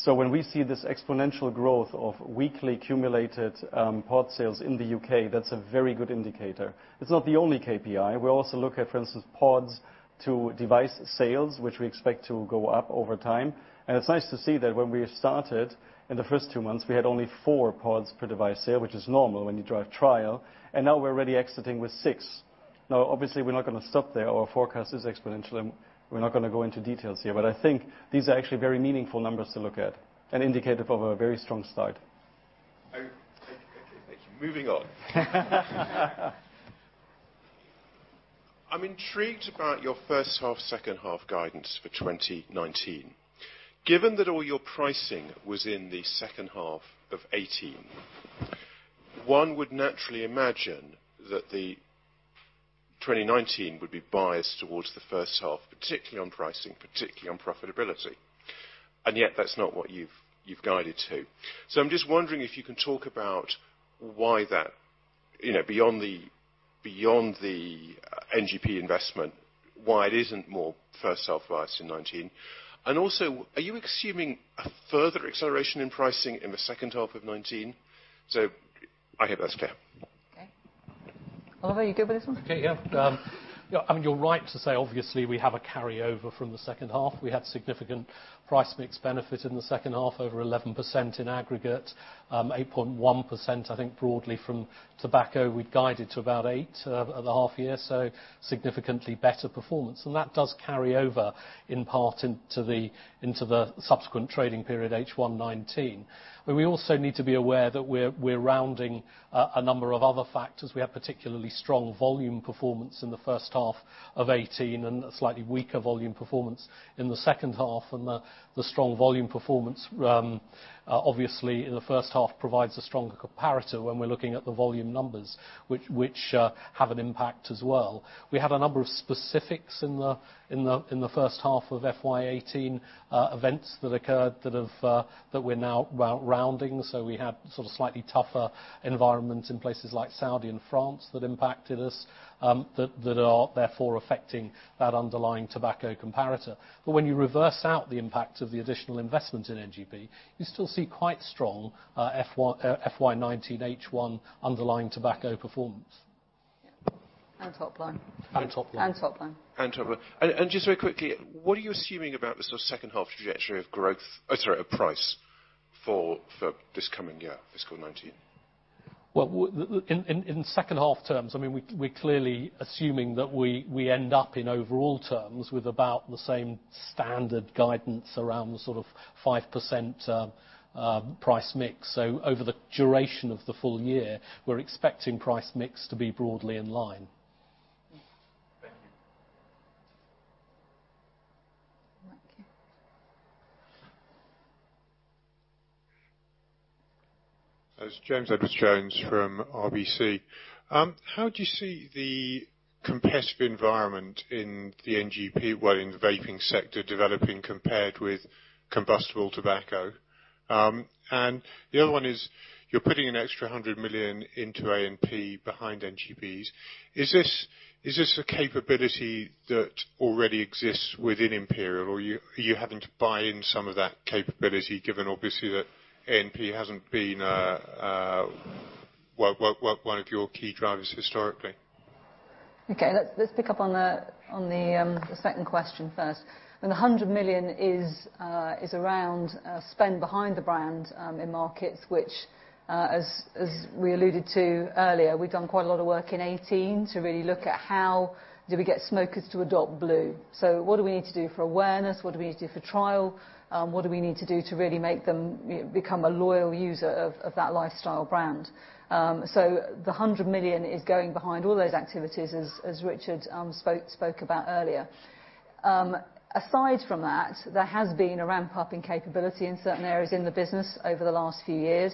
When we see this exponential growth of weekly accumulated pod sales in the U.K., that's a very good indicator. It's not the only KPI. We also look at, for instance, pods to device sales, which we expect to go up over time. It's nice to see that when we started, in the first two months, we had only four pods per device sale, which is normal when you drive trial, and now we're already exiting with six. Now, obviously, we're not going to stop there. Our forecast is exponential, we're not going to go into details here, I think these are actually very meaningful numbers to look at and indicative of a very strong start. Okay. Thank you. Moving on. I'm intrigued about your first half, second half guidance for 2019. Given that all your pricing was in the second half of 2018, one would naturally imagine that the 2019 would be biased towards the first half, particularly on pricing, particularly on profitability, and yet that's not what you've guided to. I'm just wondering if you can talk about why that, beyond the NGP investment, why it isn't more first half biased in 2019, and also, are you assuming a further acceleration in pricing in the second half of 2019? I hope that's clear. Okay. Oliver, you good with this one? Okay, yeah. You're right to say, obviously, we have a carryover from the second half. We had significant price mix benefit in the second half, over 11% in aggregate, 8.1%, I think, broadly from tobacco. We'd guided to about 8 at the half year, significantly better performance. That does carry over in part into the subsequent trading period, H1 2019. We also need to be aware that we're rounding a number of other factors. We have particularly strong volume performance in the first half of 2018 and a slightly weaker volume performance in the second half, and the strong volume performance, obviously, in the first half provides a stronger comparator when we're looking at the volume numbers, which have an impact as well. We had a number of specifics in the first half of FY 2018, events that occurred that we're now rounding. We had sort of slightly tougher environments in places like Saudi and France that impacted us, that are therefore affecting that underlying tobacco comparator. When you reverse out the impact of the additional investment in NGP, you still see quite strong FY 2019 H1 underlying tobacco performance. Top line. Top line. Top line. Top line. Just very quickly, what are you assuming about the sort of second half trajectory of or sorry, of price for this coming year, fiscal 2019? Well, in second half terms, we're clearly assuming that we end up in overall terms with about the same standard guidance around the sort of 5% price mix. Over the duration of the full year, we're expecting price mix to be broadly in line. Thank you. It's James Edwardes-Jones from RBC. How do you see the competitive environment in the NGP, well, in the vaping sector developing compared with combustible tobacco? The other one is, you're putting an extra 100 million into A&P behind NGPs. Is this a capability that already exists within Imperial, or are you having to buy in some of that capability, given obviously that A&P hasn't been one of your key drivers historically? Okay, let's pick up on the second question first. The 100 million is around spend behind the brand, in markets which, as we alluded to earlier, we've done quite a lot of work in 2018 to really look at how do we get smokers to adopt blu. What do we need to do for awareness? What do we need to do for trial? What do we need to do to really make them become a loyal user of that lifestyle brand? The 100 million is going behind all those activities, as Richard spoke about earlier. Aside from that, there has been a ramp-up in capability in certain areas in the business over the last few years.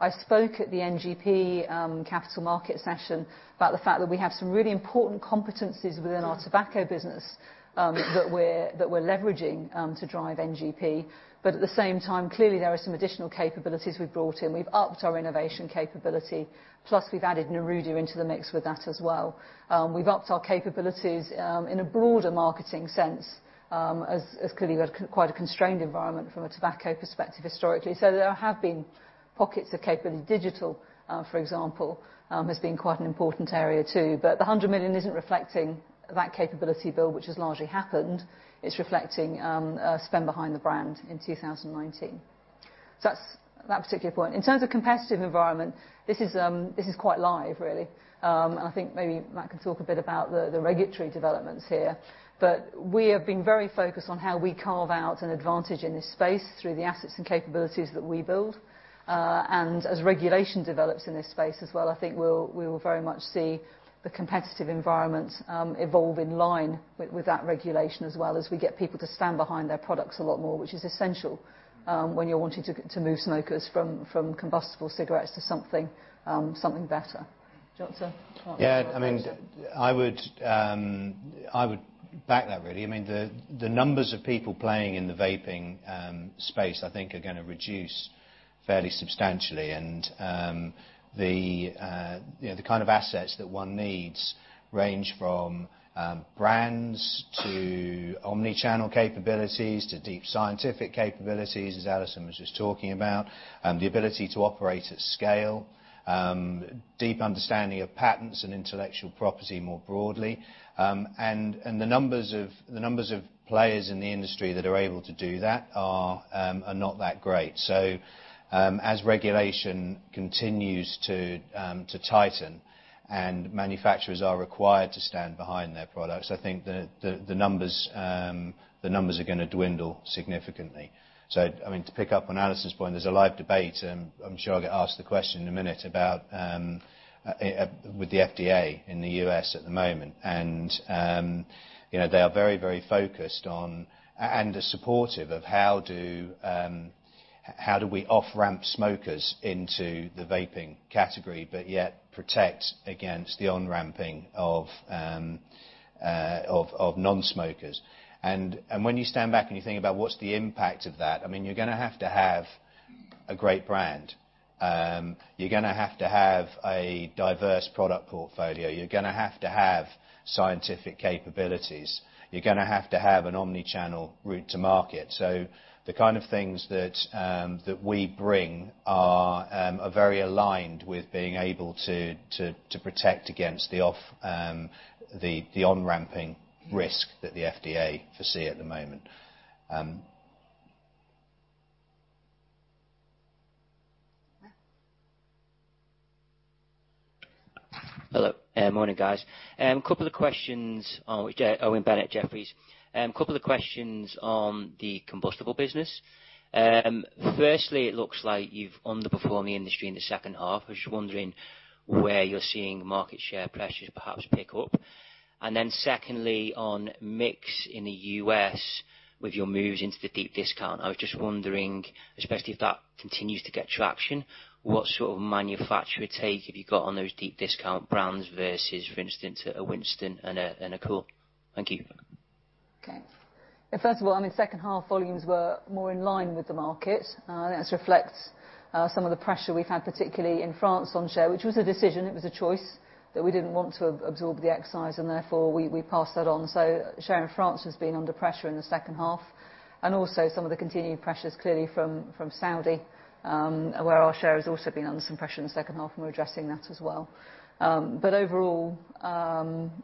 I spoke at the NGP capital market session about the fact that we have some really important competencies within our tobacco business that we're leveraging to drive NGP. At the same time, clearly, there are some additional capabilities we've brought in. We've upped our innovation capability, plus we've added Nerudia into the mix with that as well. We've upped our capabilities in a broader marketing sense, as clearly we had quite a constrained environment from a tobacco perspective historically. There have been pockets of capability. Digital, for example, has been quite an important area too. The 100 million isn't reflecting that capability build, which has largely happened. It's reflecting spend behind the brand in 2019. That's that particular point. In terms of competitive environment, this is quite live really. I think maybe Matt can talk a bit about the regulatory developments here. We have been very focused on how we carve out an advantage in this space through the assets and capabilities that we build. As regulation develops in this space as well, I think we will very much see the competitive environment evolve in line with that regulation as well, as we get people to stand behind their products a lot more, which is essential when you're wanting to move smokers from combustible cigarettes to something better. Do you want to Yeah. I would back that, really. The numbers of people playing in the vaping space, I think are going to reduce fairly substantially. The kind of assets that one needs range from brands to omni-channel capabilities, to deep scientific capabilities, as Alison was just talking about, the ability to operate at scale, deep understanding of patents and intellectual property more broadly. The numbers of players in the industry that are able to do that are not that great. As regulation continues to tighten and manufacturers are required to stand behind their products, I think the numbers are going to dwindle significantly. To pick up on Alison's point, there's a live debate, and I'm sure I'll get asked the question in a minute, about with the FDA in the U.S. at the moment. They are very focused on, and are supportive of how do we off-ramp smokers into the vaping category, but yet protect against the on-ramping of non-smokers. When you stand back and you think about what's the impact of that, you're going to have to have a great brand. You're going to have to have a diverse product portfolio. You're going to have to have scientific capabilities. You're going to have to have an omni-channel route to market. The kind of things that we bring are very aligned with being able to protect against the on-ramping risk that the FDA foresee at the moment. Hello, morning guys. Owen Bennett, Jefferies. Couple of questions on the combustible business. Firstly, it looks like you've underperformed the industry in the second half. I was just wondering where you're seeing market share pressures perhaps pick up. Secondly, on mix in the U.S. with your moves into the deep discount, I was just wondering, especially if that continues to get traction, what sort of manufacturer take have you got on those deep discount brands versus, for instance, a Winston and a Kool? Thank you. Okay. First of all, second half volumes were more in line with the market. I think that reflects some of the pressure we've had, particularly in France, on share, which was a decision. It was a choice that we didn't want to absorb the excise and therefore we passed that on. Share in France has been under pressure in the second half and also some of the continuing pressures clearly from Saudi, where our share has also been under some pressure in the second half, and we're addressing that as well. Overall,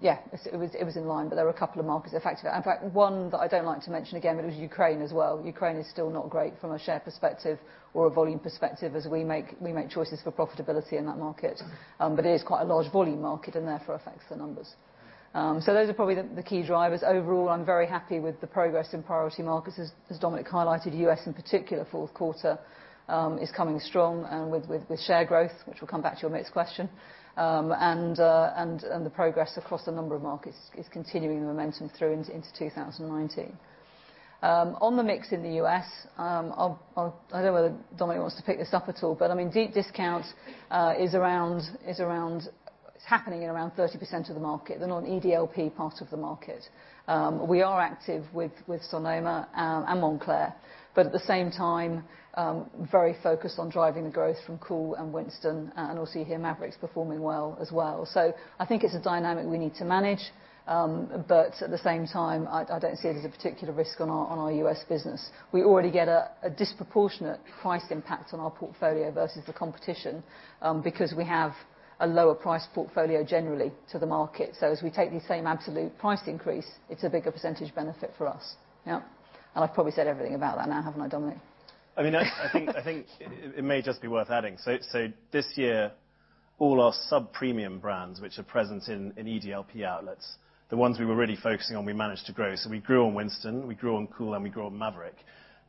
yeah, it was in line, but there were a couple of markets affected. In fact, one that I don't like to mention again, but it was Ukraine as well. Ukraine is still not great from a share perspective or a volume perspective as we make choices for profitability in that market. It is quite a large volume market and therefore affects the numbers. Those are probably the key drivers. Overall, I'm very happy with the progress in priority markets. As Dominic highlighted, U.S. in particular, fourth quarter, is coming strong, with share growth, which we'll come back to on the next question. The progress across a number of markets is continuing the momentum through into 2019. On the mix in the U.S., I don't know whether Dominic wants to pick this up at all. Deep discount is happening in around 30% of the market, the non-EDLP part of the market. We are active with Sonoma and Montclair. At the same time, very focused on driving the growth from Kool and Winston and obviously here Maverick's performing well as well. So I think it's a dynamic we need to manage, but at the same time, I don't see it as a particular risk on our US business. We already get a disproportionate price impact on our portfolio versus the competition, because we have a lower price portfolio generally to the market. So as we take the same absolute price increase, it's a bigger percentage benefit for us. Yeah? And I've probably said everything about that now, haven't I, Dominic? I think it may just be worth adding. This year, all our sub-premium brands, which are present in EDLP outlets, the ones we were really focusing on, we managed to grow. We grew on Winston, we grew on Kool, and we grew on Maverick.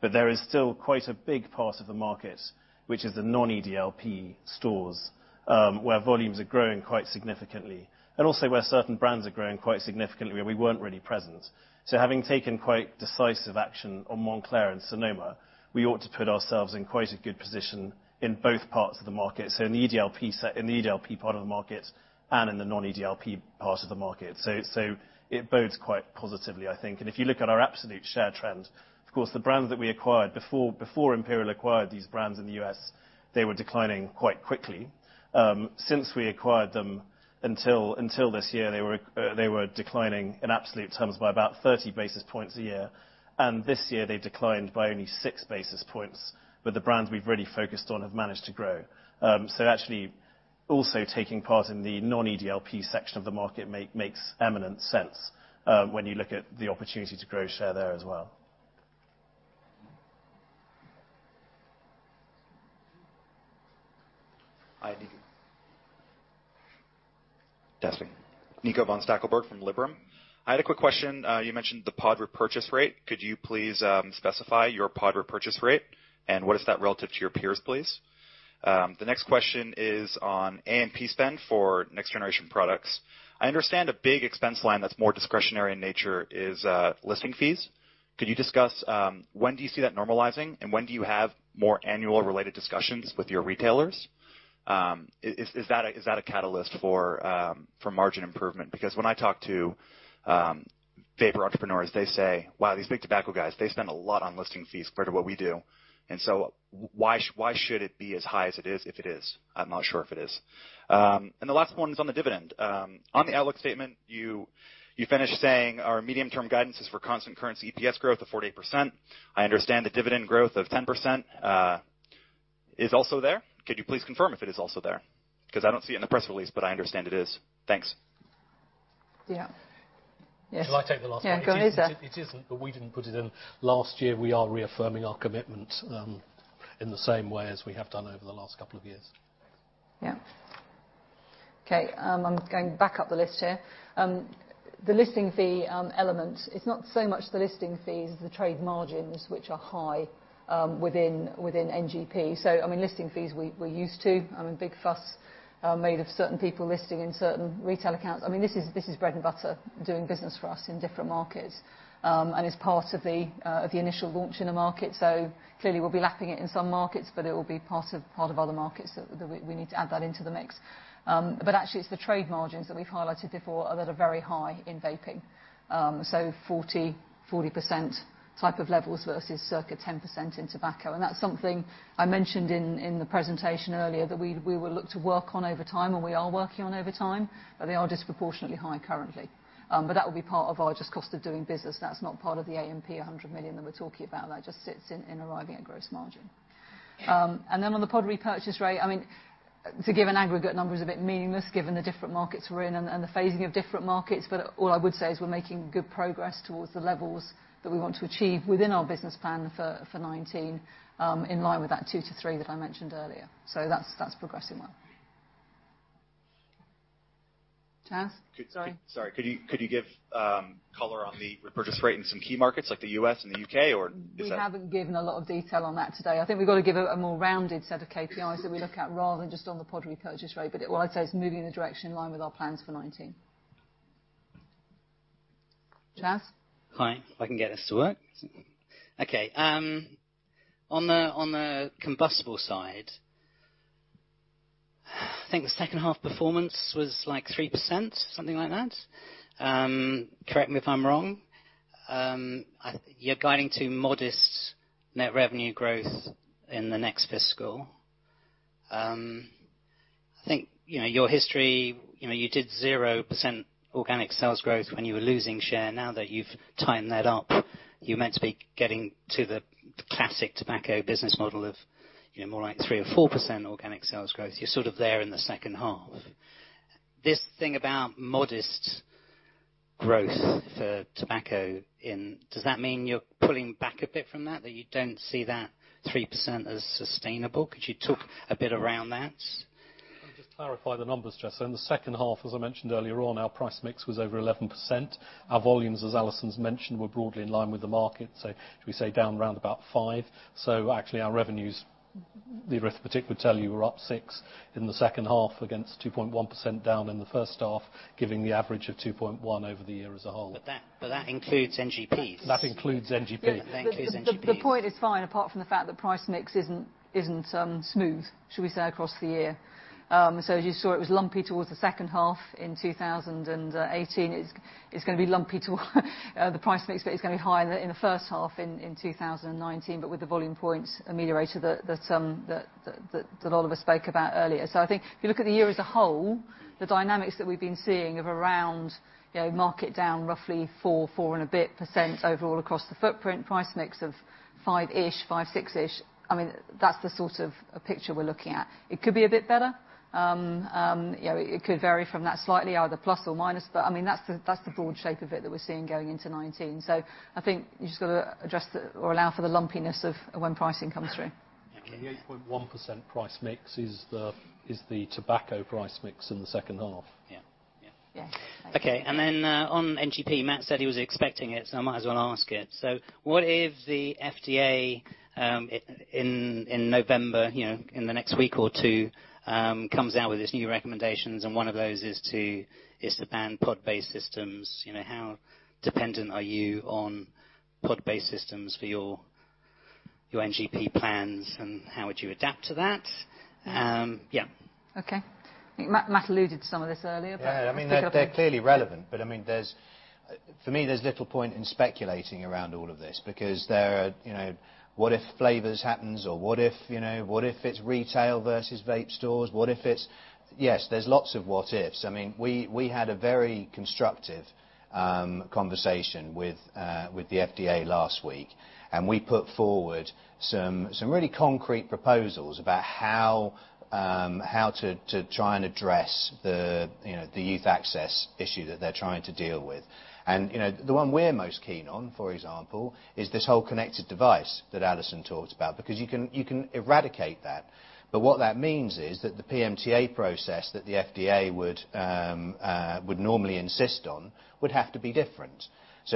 There is still quite a big part of the market, which is the non-EDLP stores, where volumes are growing quite significantly and also where certain brands are growing quite significantly, where we weren't really present. Having taken quite decisive action on Montclair and Sonoma, we ought to put ourselves in quite a good position in both parts of the market. In the EDLP part of the market and in the non-EDLP part of the market. It bodes quite positively, I think. If you look at our absolute share trend, of course, the brands that we acquired, before Imperial acquired these brands in the U.S., they were declining quite quickly. Since we acquired them, until this year, they were declining in absolute terms by about 30 basis points a year. This year, they declined by only six basis points. The brands we've really focused on have managed to grow. Actually, also taking part in the non-EDLP section of the market makes eminent sense, when you look at the opportunity to grow share there as well. Hi, Nico. Testing. Nico von Stackelberg from Liberum. I had a quick question. You mentioned the pod repurchase rate. Could you please specify your pod repurchase rate, and what is that relative to your peers, please? The next question is on A&P spend for next-generation products. I understand a big expense line that's more discretionary in nature is listing fees. Could you discuss when do you see that normalizing, and when do you have more annual related discussions with your retailers? Is that a catalyst for margin improvement? When I talk to vapor entrepreneurs, they say, "Wow, these big tobacco guys, they spend a lot on listing fees compared to what we do." Why should it be as high as it is, if it is? I'm not sure if it is. The last one is on the dividend. On the outlook statement, you finished saying our medium-term guidance is for constant currency EPS growth of 4% to 8%. I understand the dividend growth of 10% is also there. Could you please confirm if it is also there? I don't see it in the press release, but I understand it is. Thanks. Yeah. Yes. Shall I take the last one? Yeah, go with, uh. It isn't, but we didn't put it in last year. We are reaffirming our commitment in the same way as we have done over the last couple of years. Thanks. Yeah. Okay, I'm going back up the list here. The listing fee element, it's not so much the listing fees as the trade margins, which are high within NGP. Listing fees, we're used to. A big fuss made of certain people listing in certain retail accounts. This is bread and butter, doing business for us in different markets. It's part of the initial launch in a market, so clearly we'll be lapping it in some markets, but it will be part of other markets that we need to add that into the mix. Actually, it's the trade margins that we've highlighted before that are very high in vaping. 40% type of levels versus circa 10% in tobacco. That's something I mentioned in the presentation earlier, that we will look to work on over time, and we are working on over time, but they are disproportionately high currently. That will be part of our just cost of doing business. That's not part of the A&P 100 million that we're talking about. That just sits in arriving at gross margin. Then on the pod repurchase rate, to give an aggregate number is a bit meaningless given the different markets we're in and the phasing of different markets, but all I would say is we're making good progress towards the levels that we want to achieve within our business plan for 2019, in line with that two to three that I mentioned earlier. That's progressing well. Chaz? Sorry. Sorry. Could you give color on the repurchase rate in some key markets like the U.S. and the U.K., or is that? We haven't given a lot of detail on that today. I think we've got to give a more rounded set of KPIs that we look at rather than just on the pod repurchase rate. What I'd say is moving in the direction in line with our plans for 2019. Chaz? Hi. If I can get this to work. Okay. On the combustible side, I think the second half performance was like 3%, something like that? Correct me if I'm wrong. You're guiding to modest net revenue growth in the next fiscal. I think your history, you did 0% organic sales growth when you were losing share. Now that you've tightened that up, you're meant to be getting to the classic tobacco business model of more like 3% or 4% organic sales growth. You're sort of there in the second half. This thing about modest growth for tobacco, does that mean you're pulling back a bit from that you don't see that 3% as sustainable? Could you talk a bit around that? Let me just clarify the numbers, Chaz. In the second half, as I mentioned earlier on, our price mix was over 11%. Our volumes, as Alison's mentioned, were broadly in line with the market, should we say down around about 5%. Actually, our revenues, the arithmetic would tell you we're up 6% in the second half against 2.1% down in the first half, giving the average of 2.1% over the year as a whole. That includes NGPs. That includes NGP. That includes NGPs. The point is fine, apart from the fact that price mix isn't smooth, should we say, across the year. As you saw, it was lumpy towards the second half in 2018. It's going to be lumpy the price mix, but it's going to be higher in the first half in 2019, but with the volume points ameliorated that Oliver spoke about earlier. I think if you look at the year as a whole, the dynamics that we've been seeing of around market down roughly 4 and a bit% overall across the footprint, price mix of 5-ish, 5, 6-ish%. That's the sort of picture we're looking at. It could be a bit better. It could vary from that slightly, either plus or minus, but that's the broad shape of it that we're seeing going into 2019. I think you've just got to adjust, or allow for the lumpiness of when pricing comes through. The 8.1% price mix is the tobacco price mix in the second half. Yeah. Yeah. Okay, then on NGP, Matt said he was expecting it, I might as well ask it. What if the FDA in November, in the next week or two, comes out with its new recommendations and one of those is to ban pod-based systems? How dependent are you on pod-based systems for your NGP plans, and how would you adapt to that? Yeah. Okay Matt alluded to some of this earlier. Yeah, they're clearly relevant, but for me, there's little point in speculating around all of this because there are what if flavors happens, or what if it's retail versus vape stores, what if it's Yes, there's lots of what ifs. We had a very constructive conversation with the FDA last week, and we put forward some really concrete proposals about how to try and address the youth access issue that they're trying to deal with. The one we're most keen on, for example, is this whole connected device that Alison talked about, because you can eradicate that. What that means is that the PMTA process that the FDA would normally insist on would have to be different.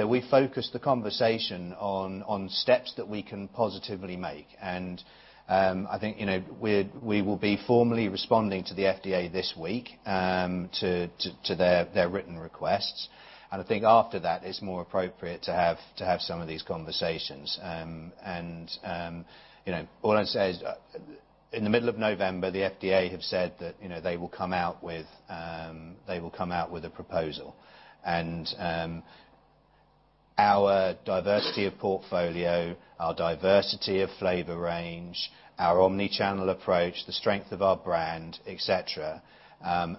We focused the conversation on steps that we can positively make, and I think we will be formally responding to the FDA this week to their written requests. I think after that, it's more appropriate to have some of these conversations. All I'd say is, in the middle of November, the FDA have said that they will come out with a proposal. Our diversity of portfolio, our diversity of flavor range, our omni-channel approach, the strength of our brand, et cetera,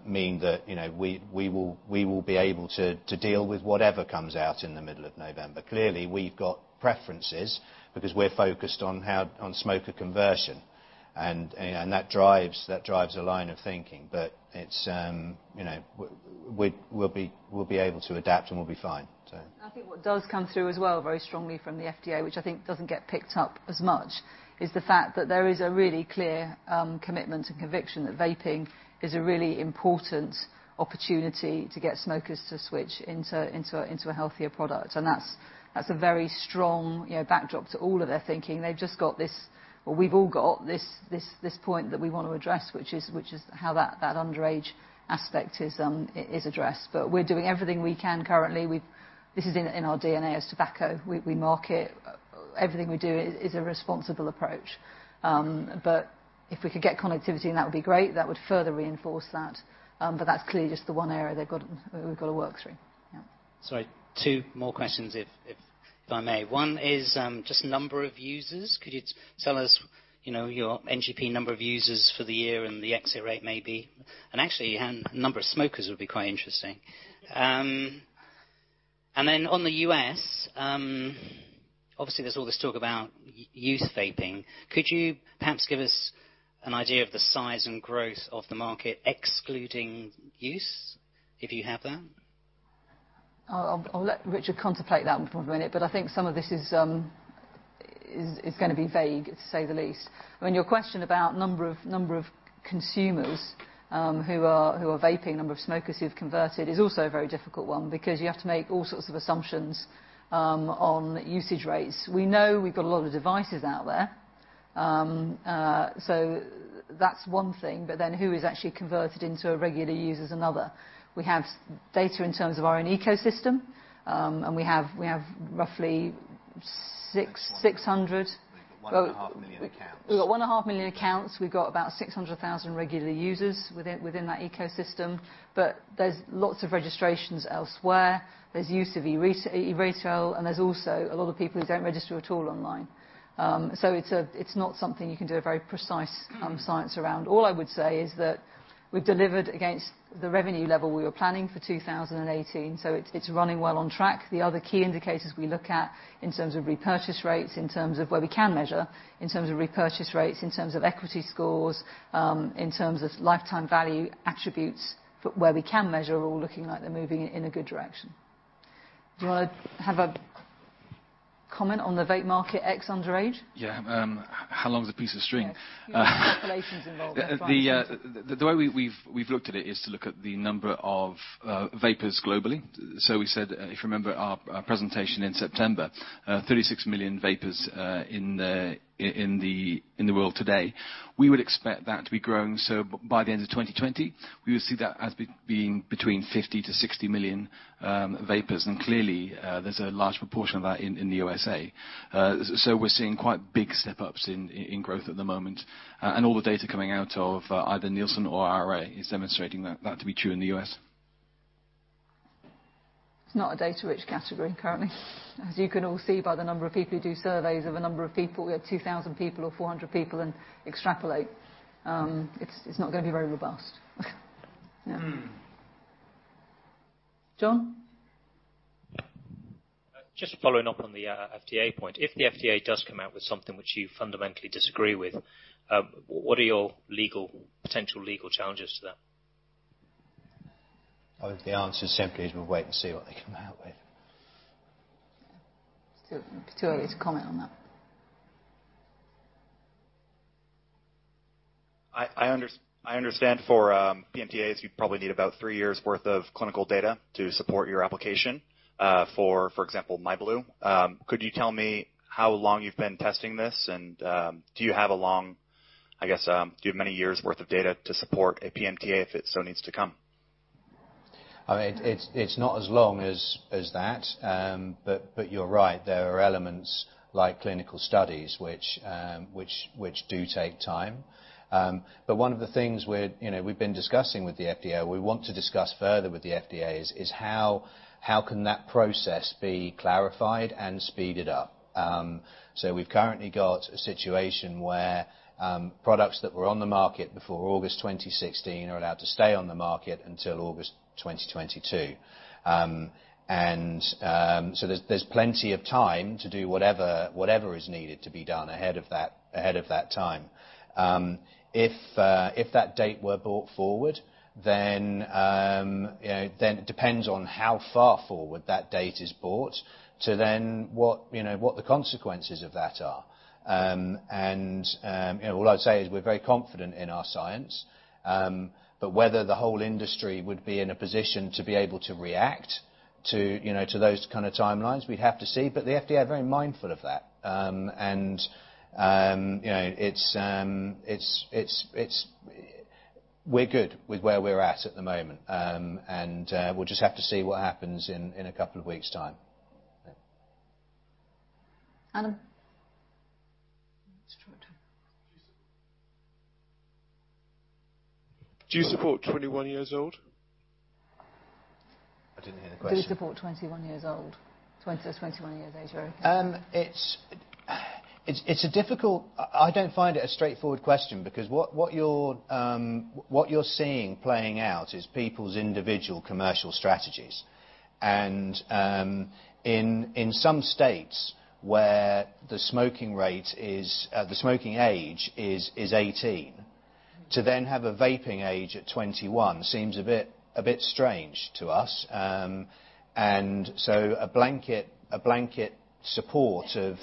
mean that we will be able to deal with whatever comes out in the middle of November. Clearly, we've got preferences because we're focused on smoker conversion. That drives a line of thinking, but we'll be able to adapt, and we'll be fine. I think what does come through as well, very strongly from the FDA, which I think doesn't get picked up as much, is the fact that there is a really clear commitment and conviction that vaping is a really important opportunity to get smokers to switch into a healthier product. That's a very strong backdrop to all of their thinking. They've just got this point that we want to address, which is how that underage aspect is addressed. We're doing everything we can currently. This is in our DNA as tobacco. We market, everything we do is a responsible approach. If we could get connectivity, and that would be great, that would further reinforce that. That's clearly just the one area we've got to work through. Sorry, two more questions, if I may. One is just number of users. Could you tell us your NGP number of users for the year and the exit rate maybe, and actually, number of smokers would be quite interesting. Then on the U.S., obviously, there's all this talk about youth vaping. Could you perhaps give us an idea of the size and growth of the market excluding youth, if you have that? I'll let Richard contemplate that one for a minute. I think some of this is going to be vague, to say the least. I mean, your question about number of consumers who are vaping, number of smokers who've converted, is also a very difficult one because you have to make all sorts of assumptions on usage rates. We know we've got a lot of devices out there, so that's one thing. Who is actually converted into a regular user is another. We have data in terms of our own ecosystem, and we have roughly 600 600. We've got 1.5 million accounts. We've got 1.5 million accounts. We've got about 600,000 regular users within that ecosystem. There's lots of registrations elsewhere. There's use of e-retail. There's also a lot of people who don't register at all online. It's not something you can do a very precise science around. All I would say is that we've delivered against the revenue level we were planning for 2018. It's running well on track. The other key indicators we look at in terms of repurchase rates, in terms of where we can measure, in terms of equity scores, in terms of lifetime value attributes, where we can measure, are all looking like they're moving in a good direction. Do you want to have a comment on the vape market ex underage? Yeah. How long is a piece of string? Yeah. There's calculations involved, right? The way we've looked at it is to look at the number of vapers globally. We said, if you remember our presentation in September, 36 million vapers in the world today. We would expect that to be growing, by the end of 2020, we would see that as being between 50 million-60 million vapers, and clearly, there's a large proportion of that in the U.S.A. We're seeing quite big step-ups in growth at the moment, and all the data coming out of either Nielsen or IRI is demonstrating that to be true in the U.S. It's not a data-rich category currently. As you can all see by the number of people who do surveys of a number of people, we have 2,000 people or 400 people and extrapolate. It's not going to be very robust. Yeah. John? Just following up on the FDA point. If the FDA does come out with something which you fundamentally disagree with, what are your potential legal challenges to that? I think the answer simply is we'll wait and see what they come out with. It's too early to comment on that. I understand for PMTAs, you probably need about three years' worth of clinical data to support your application, for example, myblu. Could you tell me how long you've been testing this, and do you have a long, I guess, do you have many years' worth of data to support a PMTA if it so needs to come? It's not as long as that. You're right, there are elements like clinical studies, which do take time. One of the things we've been discussing with the FDA, we want to discuss further with the FDA, is how can that process be clarified and speeded up? We've currently got a situation where products that were on the market before August 2016 are allowed to stay on the market until August 2022. There's plenty of time to do whatever is needed to be done ahead of that time. If that date were brought forward, then it depends on how far forward that date is brought, to then what the consequences of that are. All I'd say is we're very confident in our science. Whether the whole industry would be in a position to be able to react to those kind of timelines, we'd have to see. The FDA are very mindful of that. We're good with where we're at at the moment. We'll just have to see what happens in a couple of weeks' time. Adam? Stuart. Do you support 21 years old? I didn't hear the question. Do we support 21 years old? 21 years age. I don't find it a straightforward question, because what you're seeing playing out is people's individual commercial strategies. In some states where the smoking age is 18, to then have a vaping age at 21 seems a bit strange to us. A blanket support of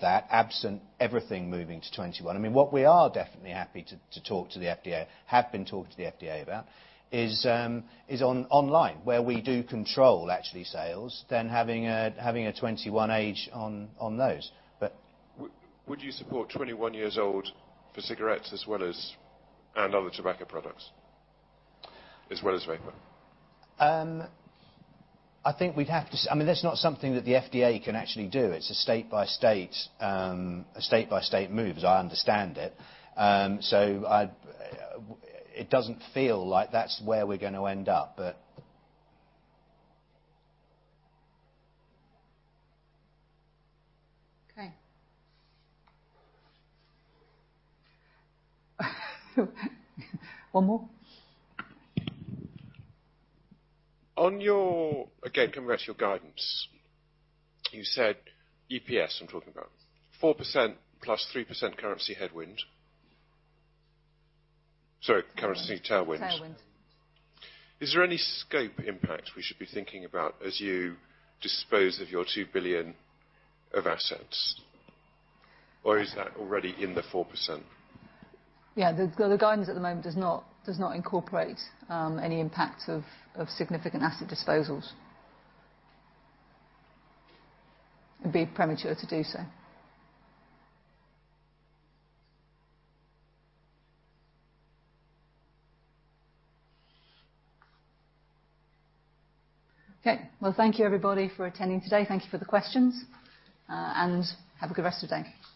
that, absent everything moving to 21. What we are definitely happy to talk to the FDA, have been talking to the FDA about, is on online, where we do control actually sales, than having a 21 age on those. Would you support 21 years old for cigarettes and other tobacco products, as well as vapor? That's not something that the FDA can actually do. It's a state-by-state move, as I understand it. It doesn't feel like that's where we're going to end up. Okay. One more? Coming back to your guidance. You said EPS, I'm talking about 4% plus 3% currency headwind. Sorry, currency tailwind. Tailwind. Is there any scope impact we should be thinking about as you dispose of your 2 billion of assets? Or is that already in the 4%? Yeah, the guidance at the moment does not incorporate any impact of significant asset disposals. It'd be premature to do so. Okay. Well, thank you everybody for attending today. Thank you for the questions. Have a good rest of the day.